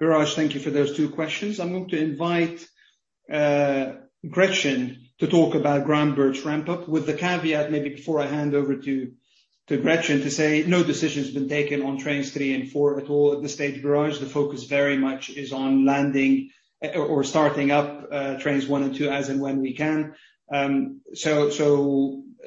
Biraj, thank you for those two questions. I'm going to invite Gretchen to talk about Groundbirch ramp-up with the caveat maybe before I hand over to Gretchen to say no decision's been taken on Trains 3 and 4 at all at this stage, Biraj. The focus very much is on landing or starting up Trains 1 and 2 as and when we can.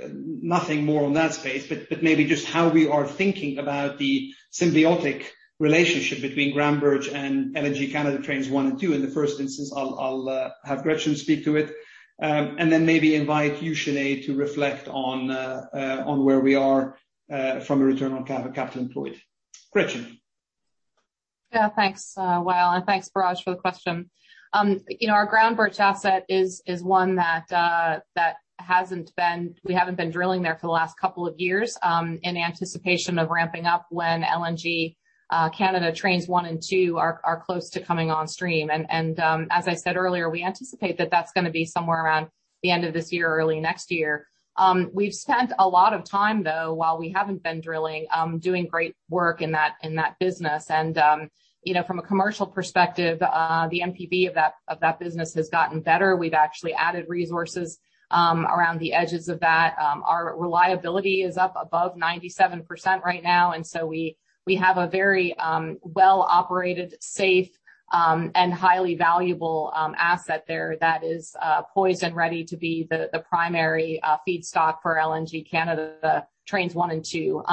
Nothing more on that space, but maybe just how we are thinking about the symbiotic relationship between Groundbirch and LNG Canada Trains 1 and 2. In the first instance, I'll have Gretchen speak to it, and then maybe invite you, Sinead, to reflect on where we are from the return on capital employed. Gretchen? Yeah, thanks, Wael, and thanks, Biraj, for the question. Our Groundbirch asset is one that we haven't been drilling there for the last couple of years in anticipation of ramping up when LNG Canada Trains 1 and 2 are close to coming on stream. As I said earlier, we anticipate that that's going to be somewhere around the end of this year or early next year. We've spent a lot of time, though, while we haven't been drilling, doing great work in that business. From a commercial perspective, the NPV of that business has gotten better. We've actually added resources around the edges of that. Our reliability is up above 97% right now. We have a very well-operated, safe, and highly valuable asset there that is poised and ready to be the primary feedstock for LNG Canada Trains 1 and 2.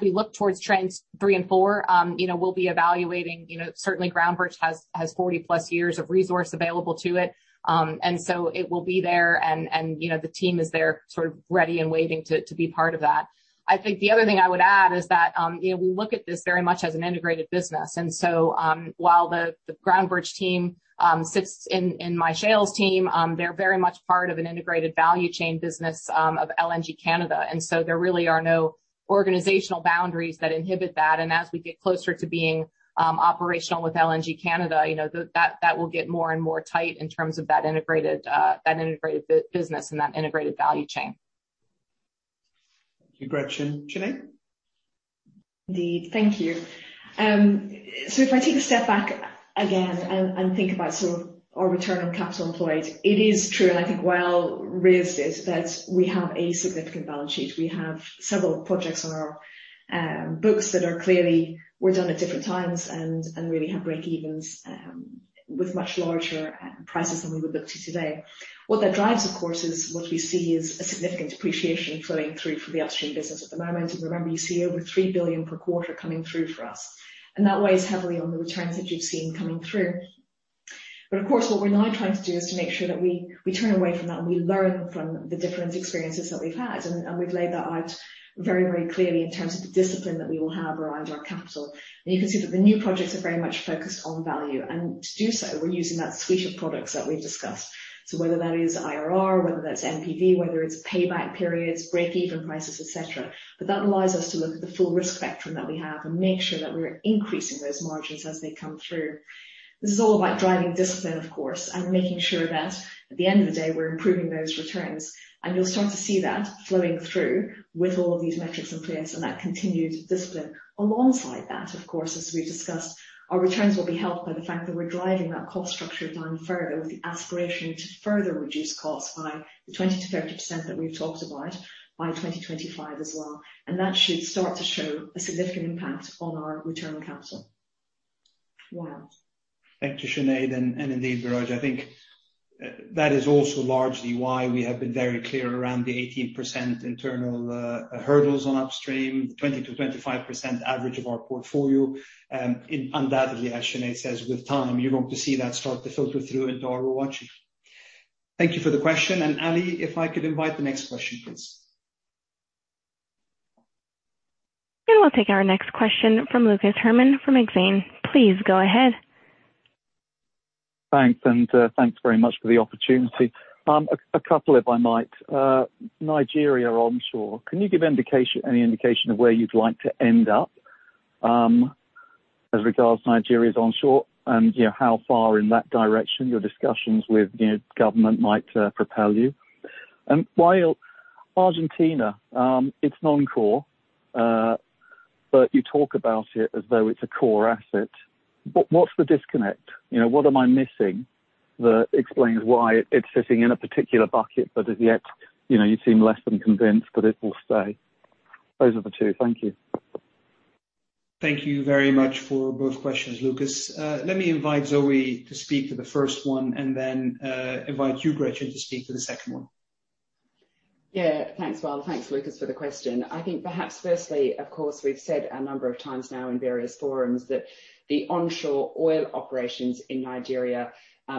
We look towards trains three and four, we'll be evaluating. Certainly Groundbirch has 40+ years of resource available to it. It will be there, and the team is there sort of ready and waiting to be part of that. I think the other thing I would add is that we look at this very much as an integrated business. While the Groundbirch team sits in my Shell team, they're very much part of an integrated value chain business of LNG Canada. There really are no organizational boundaries that inhibit that. As we get closer to being operational with LNG Canada, that will get more and more tight in terms of that integrated business and that integrated value chain. Thank you, Gretchen. Sinead? Indeed, thank you. If I take a step back again and think about our return on capital employed, it is true, and I think Wael raised this, that we have a significant balance sheet. We have several projects on our books that are clearly were done at different times and really have break-evens with much larger prices than we would look to today. What that drives, of course, is what we see is a significant depreciation flowing through from the Upstream business at the moment. Remember, you see over $3 billion per quarter coming through for us. That weighs heavily on the returns that you've seen coming through. Of course, what we're now trying to do is to make sure that we turn away from that and we learn from the different experiences that we've had. We've laid that out very, very clearly in terms of the discipline that we will have around our capital. You can see that the new projects are very much focused on value. To do so, we're using that suite of products that we've discussed. Whether that is IRR, whether that's NPV, whether it's payback periods, break-even prices, et cetera. That allows us to look at the full risk spectrum that we have and make sure that we are increasing those margins as they come through. This is all about driving discipline, of course, and making sure that at the end of the day, we're improving those returns. You'll start to see that flowing through with all of these metrics in place and that continued discipline. Alongside that, of course, as we discussed, our returns will be helped by the fact that we're driving that cost structure down further with the aspiration to further reduce costs by the 20%-30% that we've talked about by 2025 as well. That should start to show a significant impact on our return on capital. Wael? Thank you, Sinead, and indeed, Biraj. I think that is also largely why we have been very clear around the 18% internal hurdles on Upstream, 20%-25% average of our portfolio. That, as Sinead says, with time, you're going to see that start to filter through into our ROACE. Thank you for the question. Ally, if I could invite the next question, please. We'll take our next question from Lucas Herrmann from BNP Paribas Exane. Please go ahead. Thanks, thanks very much for the opportunity. A couple if I might. Nigeria onshore. Can you give any indication of where you'd like to end up, as regards Nigeria's onshore and how far in that direction your discussions with government might propel you? Wael, Argentina, it's non-core, but you talk about it as though it's a core asset. What's the disconnect? What am I missing that explains why it's sitting in a particular bucket, but as yet, you seem less than convinced that it will stay? Those are the two. Thank you. Thank you very much for both questions, Lucas. Let me invite Zoë to speak to the first one and then invite you, Gretchen, to speak to the second one. Thanks, Wael. Thanks, Lucas, for the question. I think perhaps firstly, of course, we've said a number of times now in various forums that the onshore oil operations in Nigeria,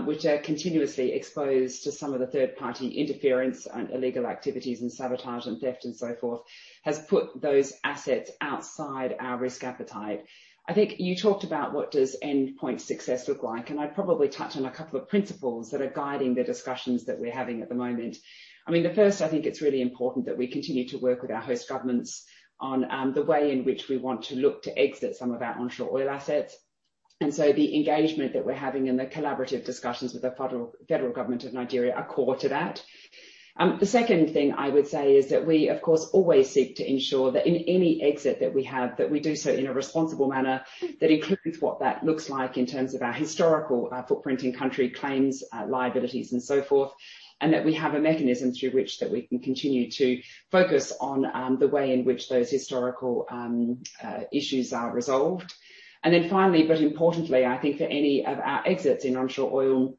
which are continuously exposed to some of the third-party interference and illegal activities in sabotage and theft and so forth, has put those assets outside our risk appetite. I think you talked about what does endpoint success look like, and I'd probably touch on a couple of principles that are guiding the discussions that we're having at the moment. The first, I think it's really important that we continue to work with our host governments on the way in which we want to look to exit some of our onshore oil assets. The engagement that we're having and the collaborative discussions with the Federal Government of Nigeria are core to that. The second thing I would say is that we, of course, always seek to ensure that in any exit that we have, that we do so in a responsible manner. That includes what that looks like in terms of our historical footprint in-country claims, liabilities, and so forth, and that we have a mechanism through which that we can continue to focus on the way in which those historical issues are resolved. Finally, importantly, I think for any of our exits in onshore oil,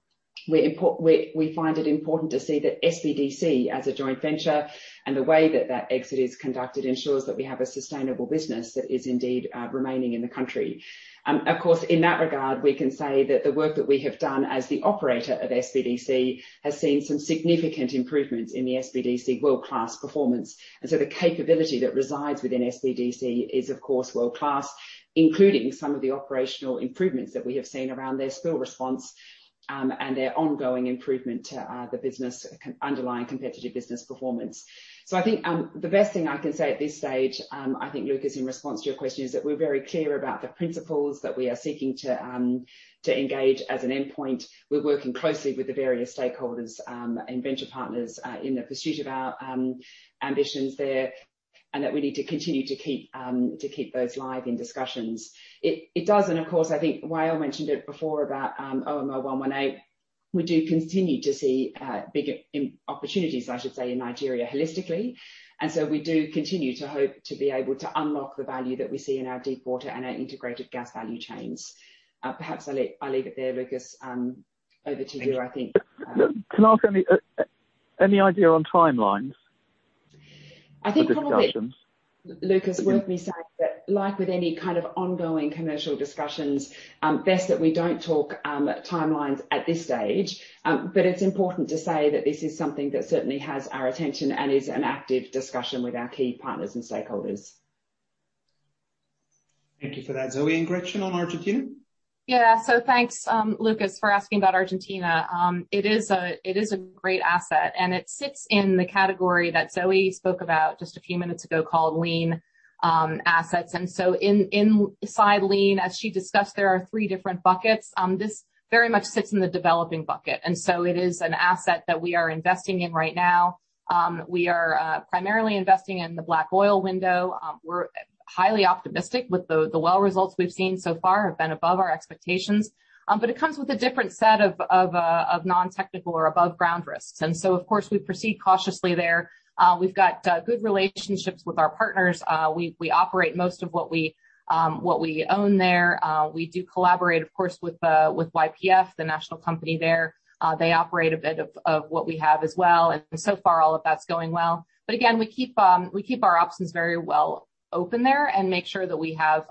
we find it important to see that Shell Petroleum Development Company as a joint venture and the way that that exit is conducted ensures that we have a sustainable business that is indeed remaining in the country. Of course, in that regard, we can say that the work that we have done as the operator of SPDC has seen some significant improvements in the SPDC world-class performance. The capability that resides within SPDC is, of course, world-class, including some of the operational improvements that we have seen around their spill response, and their ongoing improvement to the underlying competitive business performance. I think the best thing I can say at this stage, I think, Lucas, in response to your question, is that we're very clear about the principles that we are seeking to engage as an endpoint. We're working closely with the various stakeholders, and venture partners, in the pursuit of our ambitions there, and that we need to continue to keep those live in discussions. It does, of course, I think Wael mentioned it before about OML 118, we do continue to see bigger opportunities, I should say, in Nigeria holistically. We do continue to hope to be able to unlock the value that we see in our deep water and our Integrated Gas value chains. Perhaps I'll leave it there, Lucas. Over to you, I think. Can I ask, any idea on timelines for those items? I think, Lucas, Wael will be saying that like with any kind of ongoing commercial discussions, best that we don't talk timelines at this stage. It's important to say that this is something that certainly has our attention and is an active discussion with our key partners and stakeholders. Thank you for that, Zoë. Gretchen, on Argentina? Thanks, Lucas, for asking about Argentina. It is a great asset, and it sits in the category that Zoë spoke about just a few minutes ago called lean assets. Inside lean, as she discussed, there are three different buckets. This very much sits in the developing bucket. It is an asset that we are investing in right now. We are primarily investing in the black oil window. We're highly optimistic with the well results we've seen so far have been above our expectations. It comes with a different set of non-technical or above-ground risks. Of course, we proceed cautiously there. We've got good relationships with our partners. We operate most of what we own there. We do collaborate, of course, with YPF, the national company there. They operate a bit of what we have as well. So far all of that's going well. Again, we keep our options very well open there and make sure that we have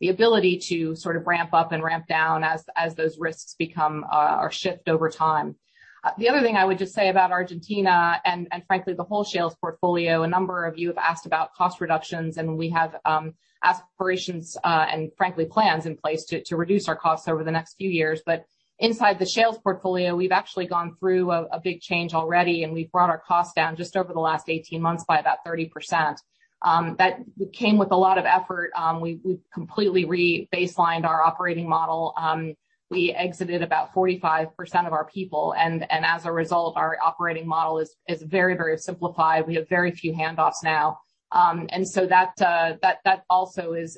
the ability to sort of ramp up and ramp down as those risks become or shift over time. The other thing I would just say about Argentina and frankly, the whole Shales portfolio, a number of you have asked about cost reductions. We have aspirations and frankly, plans in place to reduce our costs over the next few years. Inside the Shales portfolio, we've actually gone through a big change already. We've brought our cost down just over the last 18 months by about 30%. That came with a lot of effort. We completely re-baselined our operating model. We exited about 45% of our people. As a result, our operating model is very simplified. We have very few handoffs now. That also is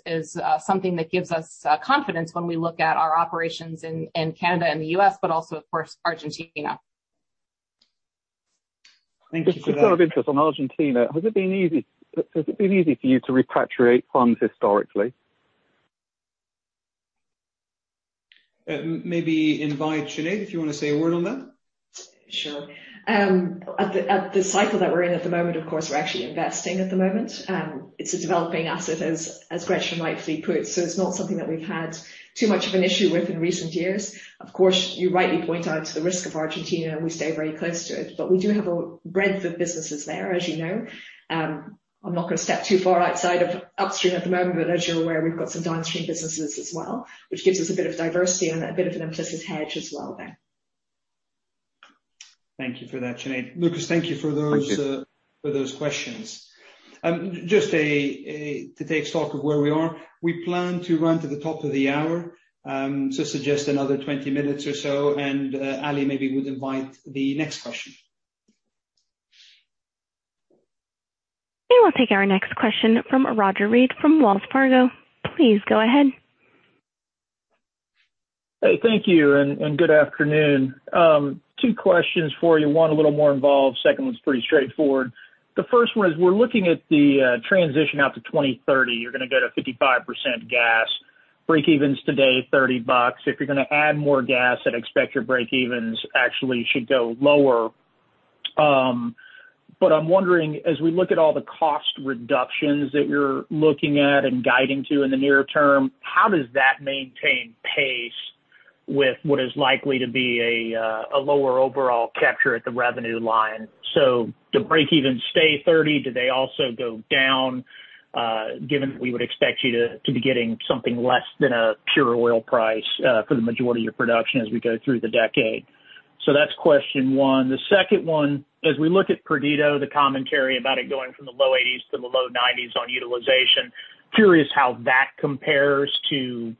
something that gives us confidence when we look at our operations in Canada and the U.S., but also, of course, Argentina. Thank you for that. Just a follow-up question on Argentina. Has it been easy for you to repatriate funds historically? Maybe invite Sinead, do you want to say a word on that? Sure. At the cycle that we're in at the moment, of course, we're actually investing at the moment. It's a developing asset as Gretchen rightly put, so it's not something that we've had too much of an issue with in recent years. Of course, you rightly point out to the risk of Argentina, and we stay very close to it. We do have a breadth of businesses there, as you know. I'm not going to step too far outside of Upstream at the moment, but as you're aware, we've got some Downstream businesses as well, which gives us a bit of diversity and a bit of an implicit hedge as well then. Thank you for that, Sinead. Lucas, thank you for those questions. Just to take stock of where we are. We plan to run to the top of the hour, so suggest another 20 minutes or so, and Ally maybe would invite the next question. We'll take our next question from Roger Read from Wells Fargo. Please go ahead. Hey, thank you, good afternoon. Two questions for you. One, a little more involved. Second one's pretty straightforward. The first one is we're looking at the transition out to 2030. You're going to get a 55% gas breakevens today, $30. If you're going to add more gas, I'd expect your breakevens actually should go lower. I'm wondering, as we look at all the cost reductions that you're looking at and guiding to in the near term, how does that maintain pace with what is likely to be a lower overall capture at the revenue line? Do breakevens stay $30? Do they also go down, given that we would expect you to be getting something less than a pure oil price for the majority of production as we go through the decade? That's question one. The second one, as we look at Perdido, the commentary about it going from the low 80s to the low 90s on utilization, curious how that compares to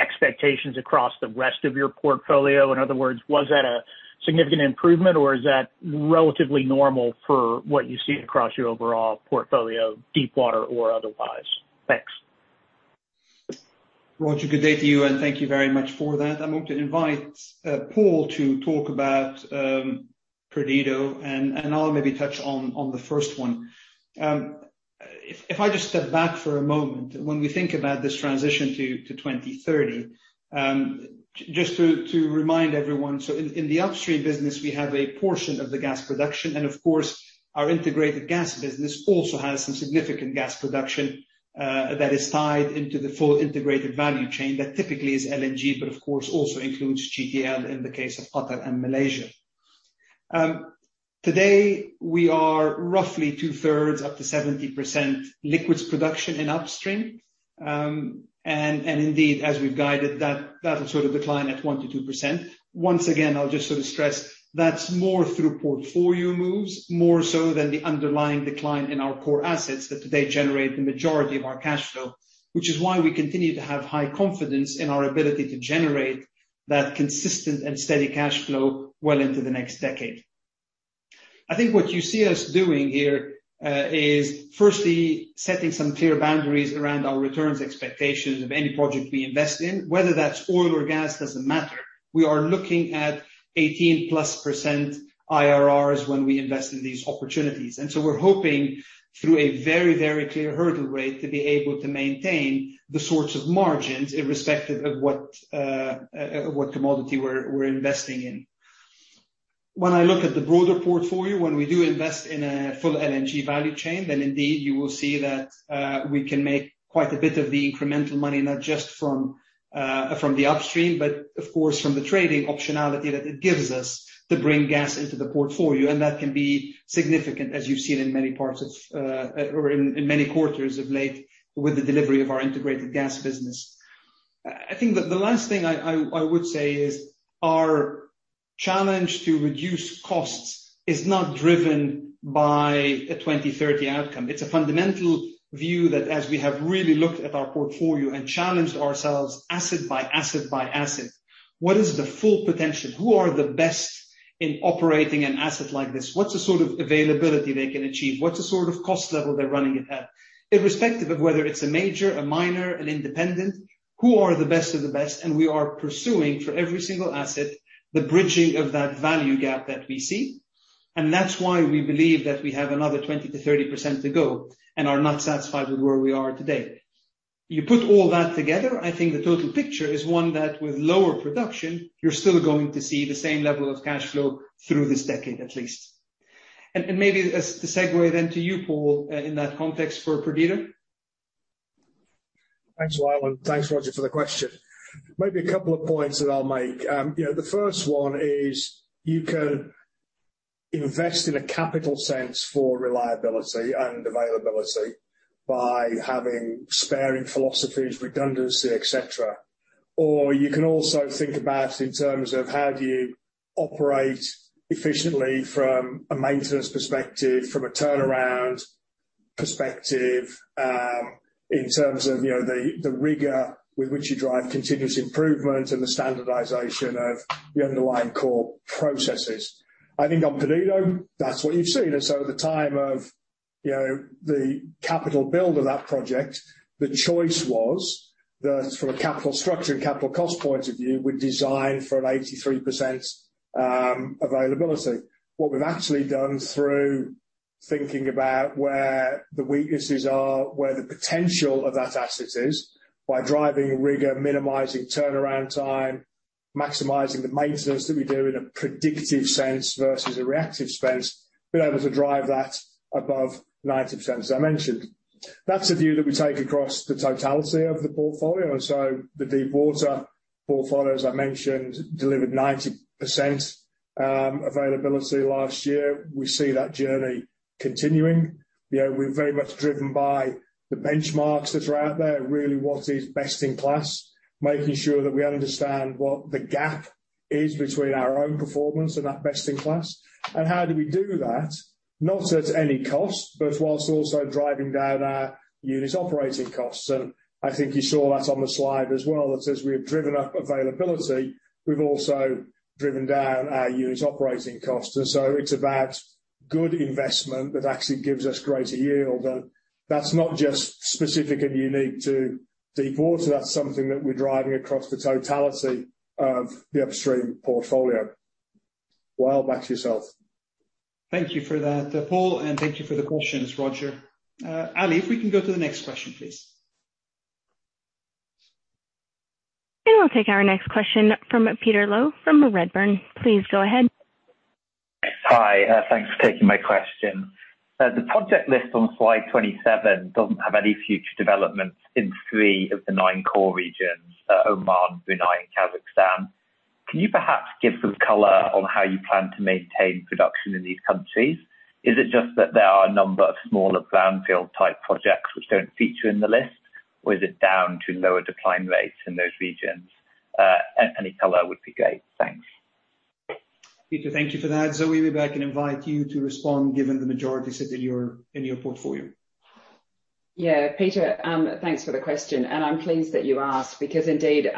expectations across the rest of your portfolio. In other words, was that a significant improvement, or is that relatively normal for what you see across your overall portfolio, deepwater or otherwise? Thanks. Roger, good day to you, and thank you very much for that. I want to invite Paul to talk about Perdido, and I'll maybe touch on the first one. If I just step back for a moment, when we think about this transition to 2030, just to remind everyone, in the Upstream business, we have a portion of the gas production. Of course, our Integrated Gas business also has some significant gas production that is tied into the full integrated value chain that typically is LNG, but of course, also includes GTL in the case of Qatar and Malaysia. Today, we are roughly 2/3 up to 70% liquids production in Upstream. Indeed, as we guided, that will sort of decline at 1%-2%. Once again, I'll just sort of stress, that's more through portfolio moves, more so than the underlying decline in our core assets that today generate the majority of our cash flow, which is why we continue to have high confidence in our ability to generate that consistent and steady cash flow well into the next decade. I think what you see us doing here is firstly setting some clear boundaries around our returns expectations of any project we invest in, whether that's oil or gas doesn't matter. We are looking at 18+% IRRs when we invest in these opportunities. We're hoping through a very clear hurdle rate to be able to maintain the sorts of margins irrespective of what commodity we're investing in. When I look at the broader portfolio, when we do invest in a full LNG value chain, then indeed you will see that we can make quite a bit of the incremental money, not just from the Upstream, but of course from the trading optionality that it gives us to bring gas into the portfolio. That can be significant, as you've seen in many quarters of late with the delivery of our Integrated Gas business. I think that the last thing I would say is our challenge to reduce costs is not driven by a 2030 outcome. It's a fundamental view that as we have really looked at our portfolio and challenged ourselves asset by asset, what is the full potential? Who are the best in operating an asset like this? What's the sort of availability they can achieve? What's the sort of cost level they're running at that? Irrespective of whether it's a major, a minor, an independent, who are the best of the best? We are pursuing for every single asset, the bridging of that value gap that we see. That's why we believe that we have another 20%-30% to go and are not satisfied with where we are today. You put all that together, I think the total picture is one that with lower production, you're still going to see the same level of cash flow through this decade at least. Maybe a segue then to you, Paul, in that context for Perdido. Thanks a lot, and thanks, Roger, for the question. Maybe a couple of points that I'll make. The first one is you can invest in a capital sense for reliability and availability by having sparing philosophies, redundancy, et cetera. You can also think about in terms of how do you operate efficiently from a maintenance perspective, from a turnaround perspective, in terms of the rigor with which you drive continuous improvement and the standardization of the underlying core processes. I think on Perdido, that's what you've seen. At the time of the capital build of that project, the choice was that from a capital structure and capital cost point of view, we designed for an 83% availability. What we've actually done through thinking about where the weaknesses are, where the potential of that asset is by driving rigor, minimizing turnaround time, maximizing the maintenance that we do in a predictive sense versus a reactive sense, been able to drive that above 90% as I mentioned. That's a view that we take across the totality of the portfolio. The Deepwater portfolio, as I mentioned, delivered 90% availability last year. We see that journey continuing. We're very much driven by the benchmarks that are out there, really what is best in class, making sure that we understand what the gap is between our own performance and that best in class. How do we do that? Not at any cost, but whilst also driving down our unit operating costs. I think you saw that on the slide as well that says we have driven up availability. We've also driven down our unit operating costs. It's about good investment that actually gives us greater yield. That's not just specific and unique to Deepwater. That's something that we're driving across the totality of the Upstream portfolio. Well, back to yourself. Thank you for that, Paul, and thank you for the questions, Roger. Ally, if we can go to the next question, please. We'll take our next question from Peter Low from Redburn. Please go ahead. Hi. Thanks for taking my question. The project list on Slide 27 doesn't have any future developments in three of the nine core regions, Oman, Brunei, and Kazakhstan. Can you perhaps give some color on how you plan to maintain production in these countries? Is it just that there are a number of smaller brownfield-type projects which don't feature in the list, or is it down to lower decline rates in those regions? Any color would be great. Thanks. Peter, thank you for that. Zoë, maybe I can invite you to respond, given the majority sit in your portfolio. Peter, thanks for the question, and I'm pleased that you asked because indeed,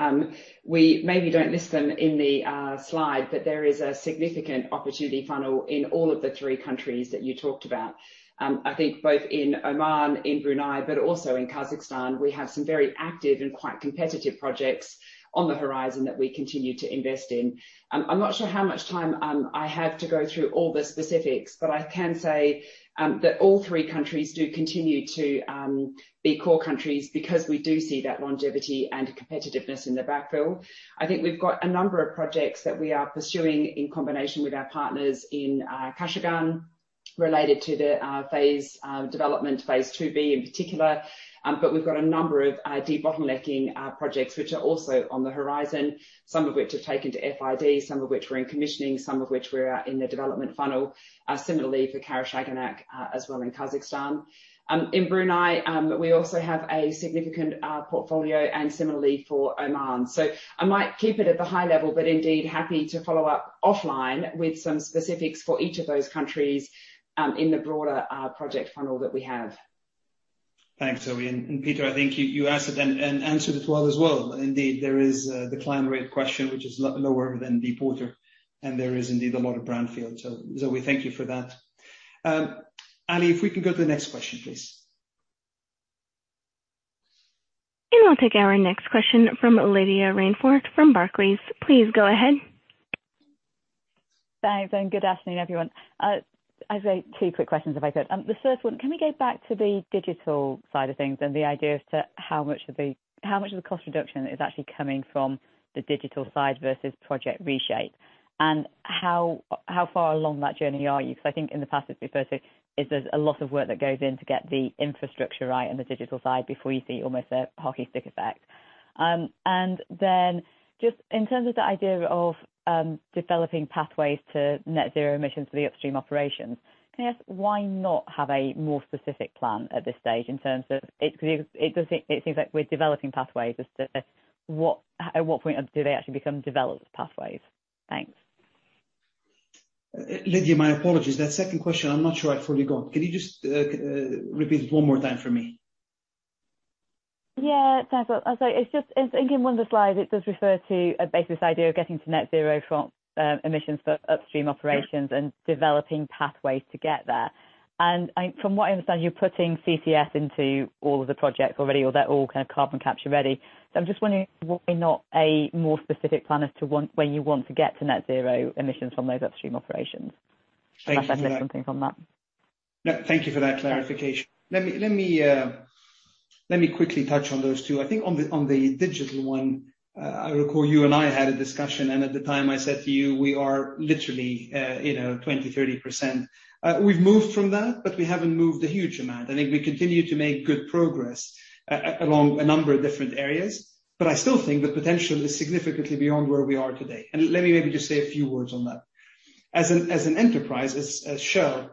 we maybe don't list them in the slide, but there is a significant opportunity funnel in all of the three countries that you talked about. I think both in Oman, in Brunei, but also in Kazakhstan, we have some very active and quite competitive projects on the horizon that we continue to invest in. I'm not sure how much time I have to go through all the specifics, but I can say that all three countries do continue to be core countries because we do see that longevity and competitiveness in the backfill. I think we've got a number of projects that we are pursuing in combination with our partners in Kashagan related to the development of phase II-B in particular. We've got a number of debottlenecking projects which are also on the horizon, some of which are taken to FID, some of which are in commissioning, some of which we are in the development funnel. Similarly for Karachaganak as well in Kazakhstan. In Brunei, we also have a significant portfolio, and similarly for Oman. I might keep it at the high level, but indeed, happy to follow up offline with some specifics for each of those countries in the broader project funnel that we have. Thanks, Zoë. Peter, I think you asked and answered it well as well. Indeed, there is a decline rate question, which is lower than Deepwater, and there is indeed a lot of brownfields. Zoë, thank you for that. Ally, if we can go to the next question, please. We'll take our next question from Lydia Rainforth from Barclays. Please go ahead. Thanks. Good afternoon, everyone. I have two quick questions if I could. The first one, can we go back to the digital side of things and the idea as to how much of the cost reduction is actually coming from the digital side versus Project Reshape? How far along that journey are you? I think in the past, we've said there's a lot of work that goes in to get the infrastructure right on the digital side before you see almost a hockey stick effect. Just in terms of the idea of developing pathways to net zero emissions for the Upstream operations, can I ask why not have a more specific plan at this stage in terms of, it does say we're developing pathways. At what point do they actually become developed pathways? Thanks. Lydia, my apologies. That second question, I'm not sure I fully got. Can you just repeat it one more time for me? Yeah, sure. I think in one of the slides, it does refer to basically this idea of getting to net zero emissions for Upstream operations and developing pathways to get there. From what I understand, you're putting CCS into all of the projects already, or they're all carbon capture ready. I'm just wondering why not a more specific plan as to when you want to get to net zero emissions from those Upstream operations. Just wondering if you can comment on that. No, thank you for that clarification. Let me quickly touch on those two. I think on the digital one, I recall you and I had a discussion, and at the time I said to you, we are literally 20%-30%. We've moved from that, but we haven't moved a huge amount. I think we continue to make good progress along a number of different areas, but I still think the potential is significantly beyond where we are today. Let me maybe just say a few words on that. As an enterprise, as Shell,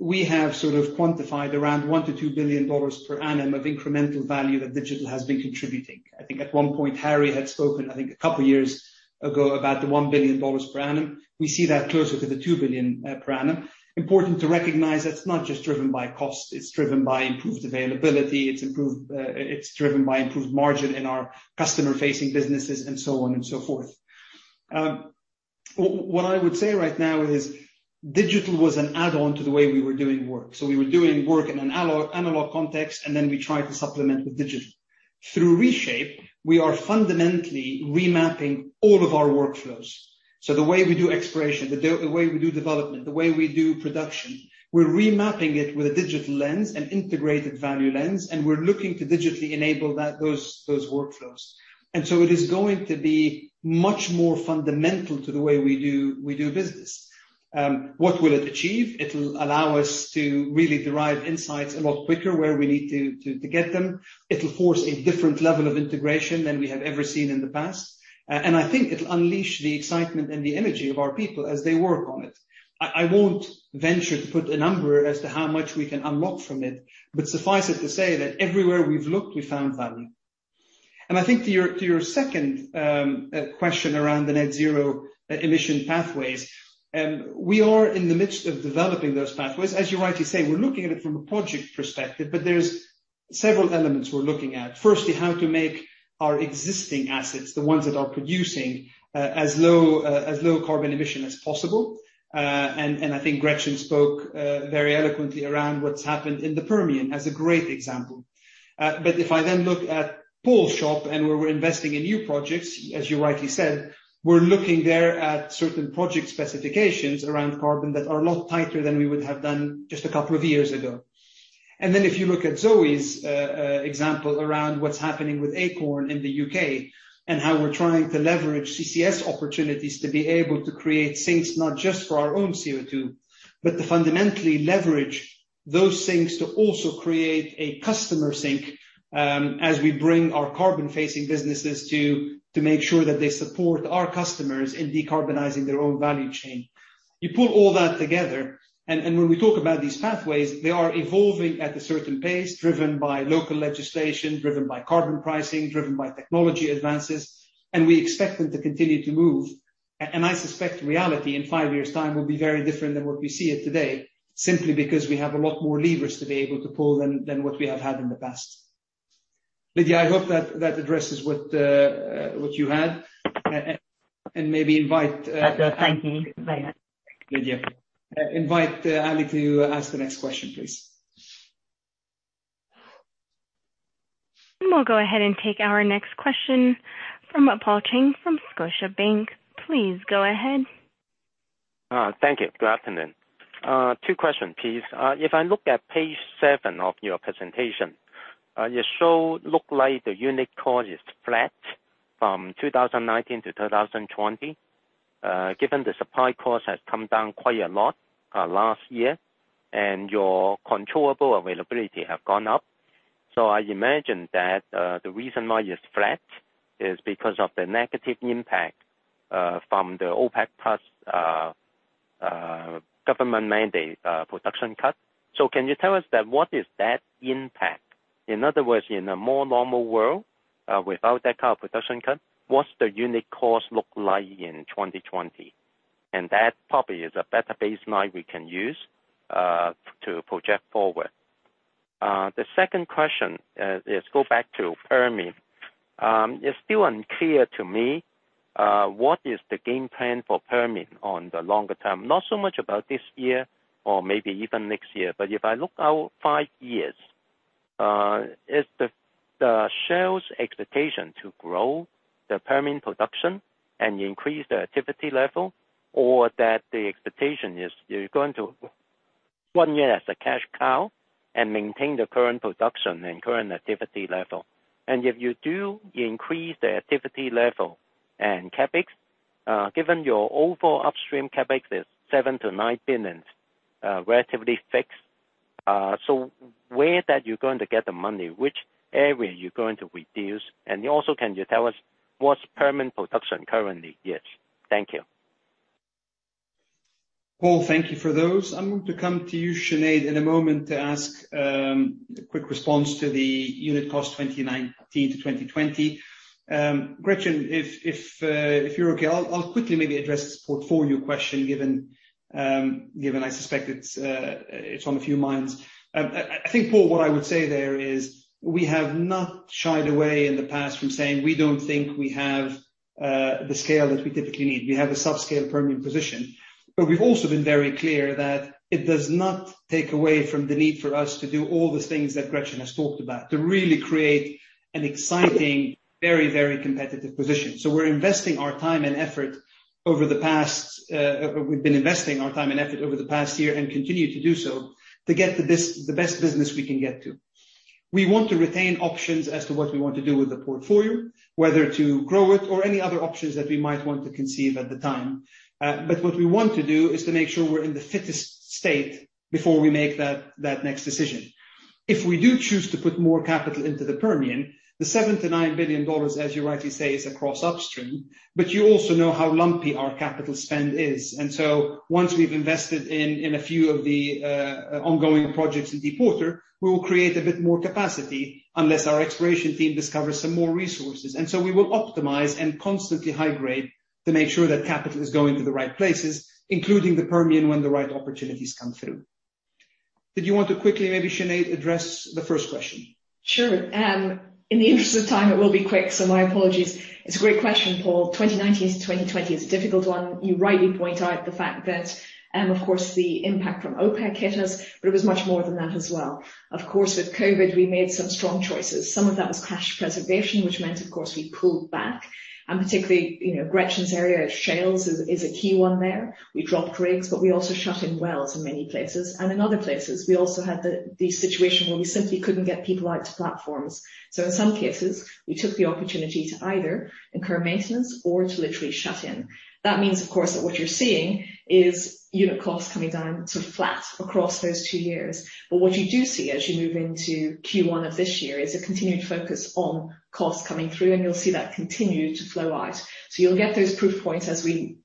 we have sort of quantified around $1 billion-$2 billion per annum of incremental value that digital has been contributing. I think at one point, Harry had spoken, I think a couple of years ago, about the $1 billion per annum. We see that closer to the $2 billion per annum. Important to recognize it's not just driven by cost. It's driven by improved availability. It's driven by improved margin in our customer-facing businesses and so on and so forth. What I would say right now is digital was an add-on to the way we were doing work. We were doing work in an analog context, and then we tried to supplement with digital. Through Reshape, we are fundamentally remapping all of our workflows. The way we do exploration, the way we do development, the way we do production, we're remapping it with a digital lens, an integrated value lens, and we're looking to digitally enable those workflows. It is going to be much more fundamental to the way we do business. What will it achieve? It will allow us to really derive insights a lot quicker where we need to get them. It'll force a different level of integration than we have ever seen in the past. I think it'll unleash the excitement and the energy of our people as they work on it. I won't venture to put a number as to how much we can unlock from it, but suffice it to say that everywhere we've looked, we found value. I think to your second question around the net zero emission pathways, we are in the midst of developing those pathways. As you rightly say, we're looking at it from a project perspective, but there's several elements we're looking at. Firstly, how to make our existing assets, the ones that are producing, as low carbon emission as possible. I think Gretchen spoke very eloquently around what's happened in the Permian as a great example. If I then look at Paul's shop and where we're investing in new projects, as you rightly said, we're looking there at certain project specifications around carbon that are a lot tighter than we would have done just a couple of years ago. If you look at Zoë's example around what's happening with Acorn in the U.K., and how we're trying to leverage CCS opportunities to be able to create sinks, not just for our own CO2, but to fundamentally leverage those sinks to also create a customer sink, as we bring our carbon-facing businesses to make sure that they support our customers in decarbonizing their own value chain. You put all that together, and when we talk about these pathways, they are evolving at a certain pace, driven by local legislation, driven by carbon pricing, driven by technology advances, and we expect them to continue to move. I suspect reality in five years' time will be very different than what we see it today, simply because we have a lot more levers to be able to pull than what we have had in the past. Lydia, I hope that addresses what you had. Thank you. Lydia, invite Ally to ask the next question, please. We'll go ahead and take our next question from Paul Cheng from Scotiabank. Please go ahead. Thank you. Good afternoon. Two questions, please. If I look at page seven of your presentation, your show look like the unit cost is flat from 2019 to 2020, given the supply cost has come down quite a lot last year, and your controllable availability have gone up. I imagine that the reason why it's flat is because of the negative impact from the OPEC+ government mandate production cut. Can you tell us then what is that impact? In other words, in a more normal world, without that production cut, what's the unit cost look like in 2020? That probably is a better baseline we can use to project forward. The second question is go back to Permian. It's still unclear to me what is the game plan for Permian on the longer term, not so much about this year or maybe even next year. If I look out five years, is the Shell's expectation to grow the Permian production and increase the activity level? Or that the expectation is you're going to run it as a cash cow and maintain the current production and current activity level? If you do increase the activity level and CapEx, given your overall Upstream CapEx is $7 billion-$9 billion, relatively fixed, so where are you going to get the money? Which area are you going to reduce? Also, can you tell us what's Permian production currently? Yes. Thank you. Paul, thank you for those. I'm going to come to you, Sinead, in a moment to ask a quick response to the unit cost 2019 to 2020. Gretchen, if you're okay, I'll quickly maybe address the portfolio question, given I suspect it's on a few minds. I think, Paul, what I would say there is we have not shied away in the past from saying we don't think we have the scale that we typically need. We have a subscale Permian position, but we've also been very clear that it does not take away from the need for us to do all the things that Gretchen has talked about to really create an exciting, very competitive position. We're investing our time and effort over the past year and continue to do so to get the best business we can get to. We want to retain options as to what we want to do with the portfolio, whether to grow it or any other options that we might want to conceive at the time. What we want to do is to make sure we're in the fittest state before we make that next decision. If we do choose to put more capital into the Permian, the $7 billion-$9 billion, as you rightly say, is across Upstream, but you also know how lumpy our capital spend is. Once we've invested in a few of the ongoing projects in the quarter, we will create a bit more capacity unless our exploration team discovers some more resources. We will optimize and constantly high-grade to make sure that capital is going to the right places, including the Permian, when the right opportunities come through. Did you want to quickly, maybe Sinead, address the first question? Sure. In the interest of time, it will be quick, so my apologies. It's a great question, Paul. 2019 to 2020 is a difficult one. You rightly point out the fact that, of course, the impact from OPEC hit us, but it was much more than that as well. Of course, with COVID, we made some strong choices. Some of that was cash preservation, which meant, of course, we pulled back. Particularly, Gretchen's area, Shales, is a key one there. We dropped rigs, but we also shut in wells in many places. In other places, we also had the situation where we simply couldn't get people out to platforms. In some cases, we took the opportunity to either incur maintenance or to literally shut in. That means, of course, that what you're seeing is unit costs coming down to flat across those two years. What you do see as you move into Q1 of this year is a continued focus on costs coming through, and you'll see that continue to flow out. You'll get those proof points as we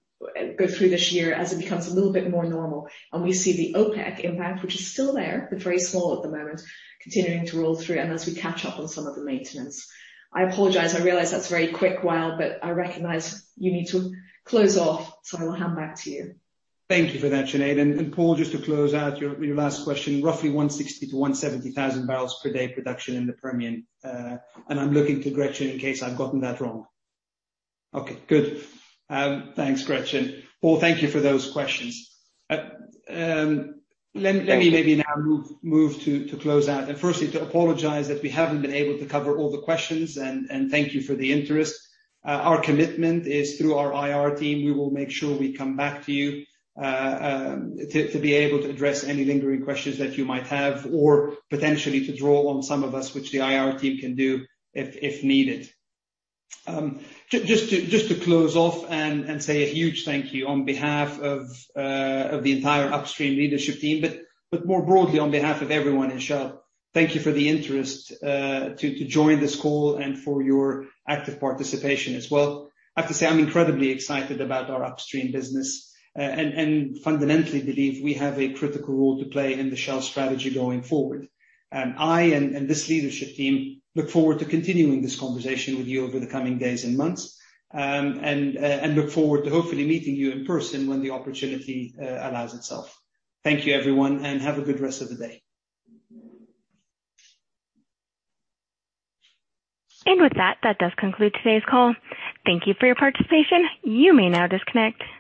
go through this year, as it becomes a little bit more normal, and we see the OPEC impact, which is still there, but very small at the moment, continuing to roll through and as we catch up on some of the maintenance. I apologize. I realize that's very quick, Wael, but I recognize you need to close off, so I will hand back to you. Thank you for that, Sinead. Paul, just to close out your last question, roughly 160,000 bbl-170,000 bbl per day production in the Permian. I'm looking to Gretchen in case I've gotten that wrong. Okay, good. Thanks, Gretchen. Paul, thank you for those questions. Let me maybe now move to close out. Firstly to apologize if we haven't been able to cover all the questions. Thank you for the interest. Our commitment is through our IR team, we will make sure we come back to you to be able to address any lingering questions that you might have or potentially to draw on some of us, which the IR team can do if needed. Just to close off and say a huge thank you on behalf of the entire Upstream Leadership Team. More broadly on behalf of everyone in Shell. Thank you for the interest to join this call and for your active participation as well. I have to say, I'm incredibly excited about our Upstream business and fundamentally believe we have a critical role to play in the Shell strategy going forward. I and this leadership team look forward to continuing this conversation with you over the coming days and months and look forward to hopefully meeting you in person when the opportunity allows itself. Thank you, everyone, and have a good rest of the day. With that does conclude today's call. Thank you for your participation. You may now disconnect.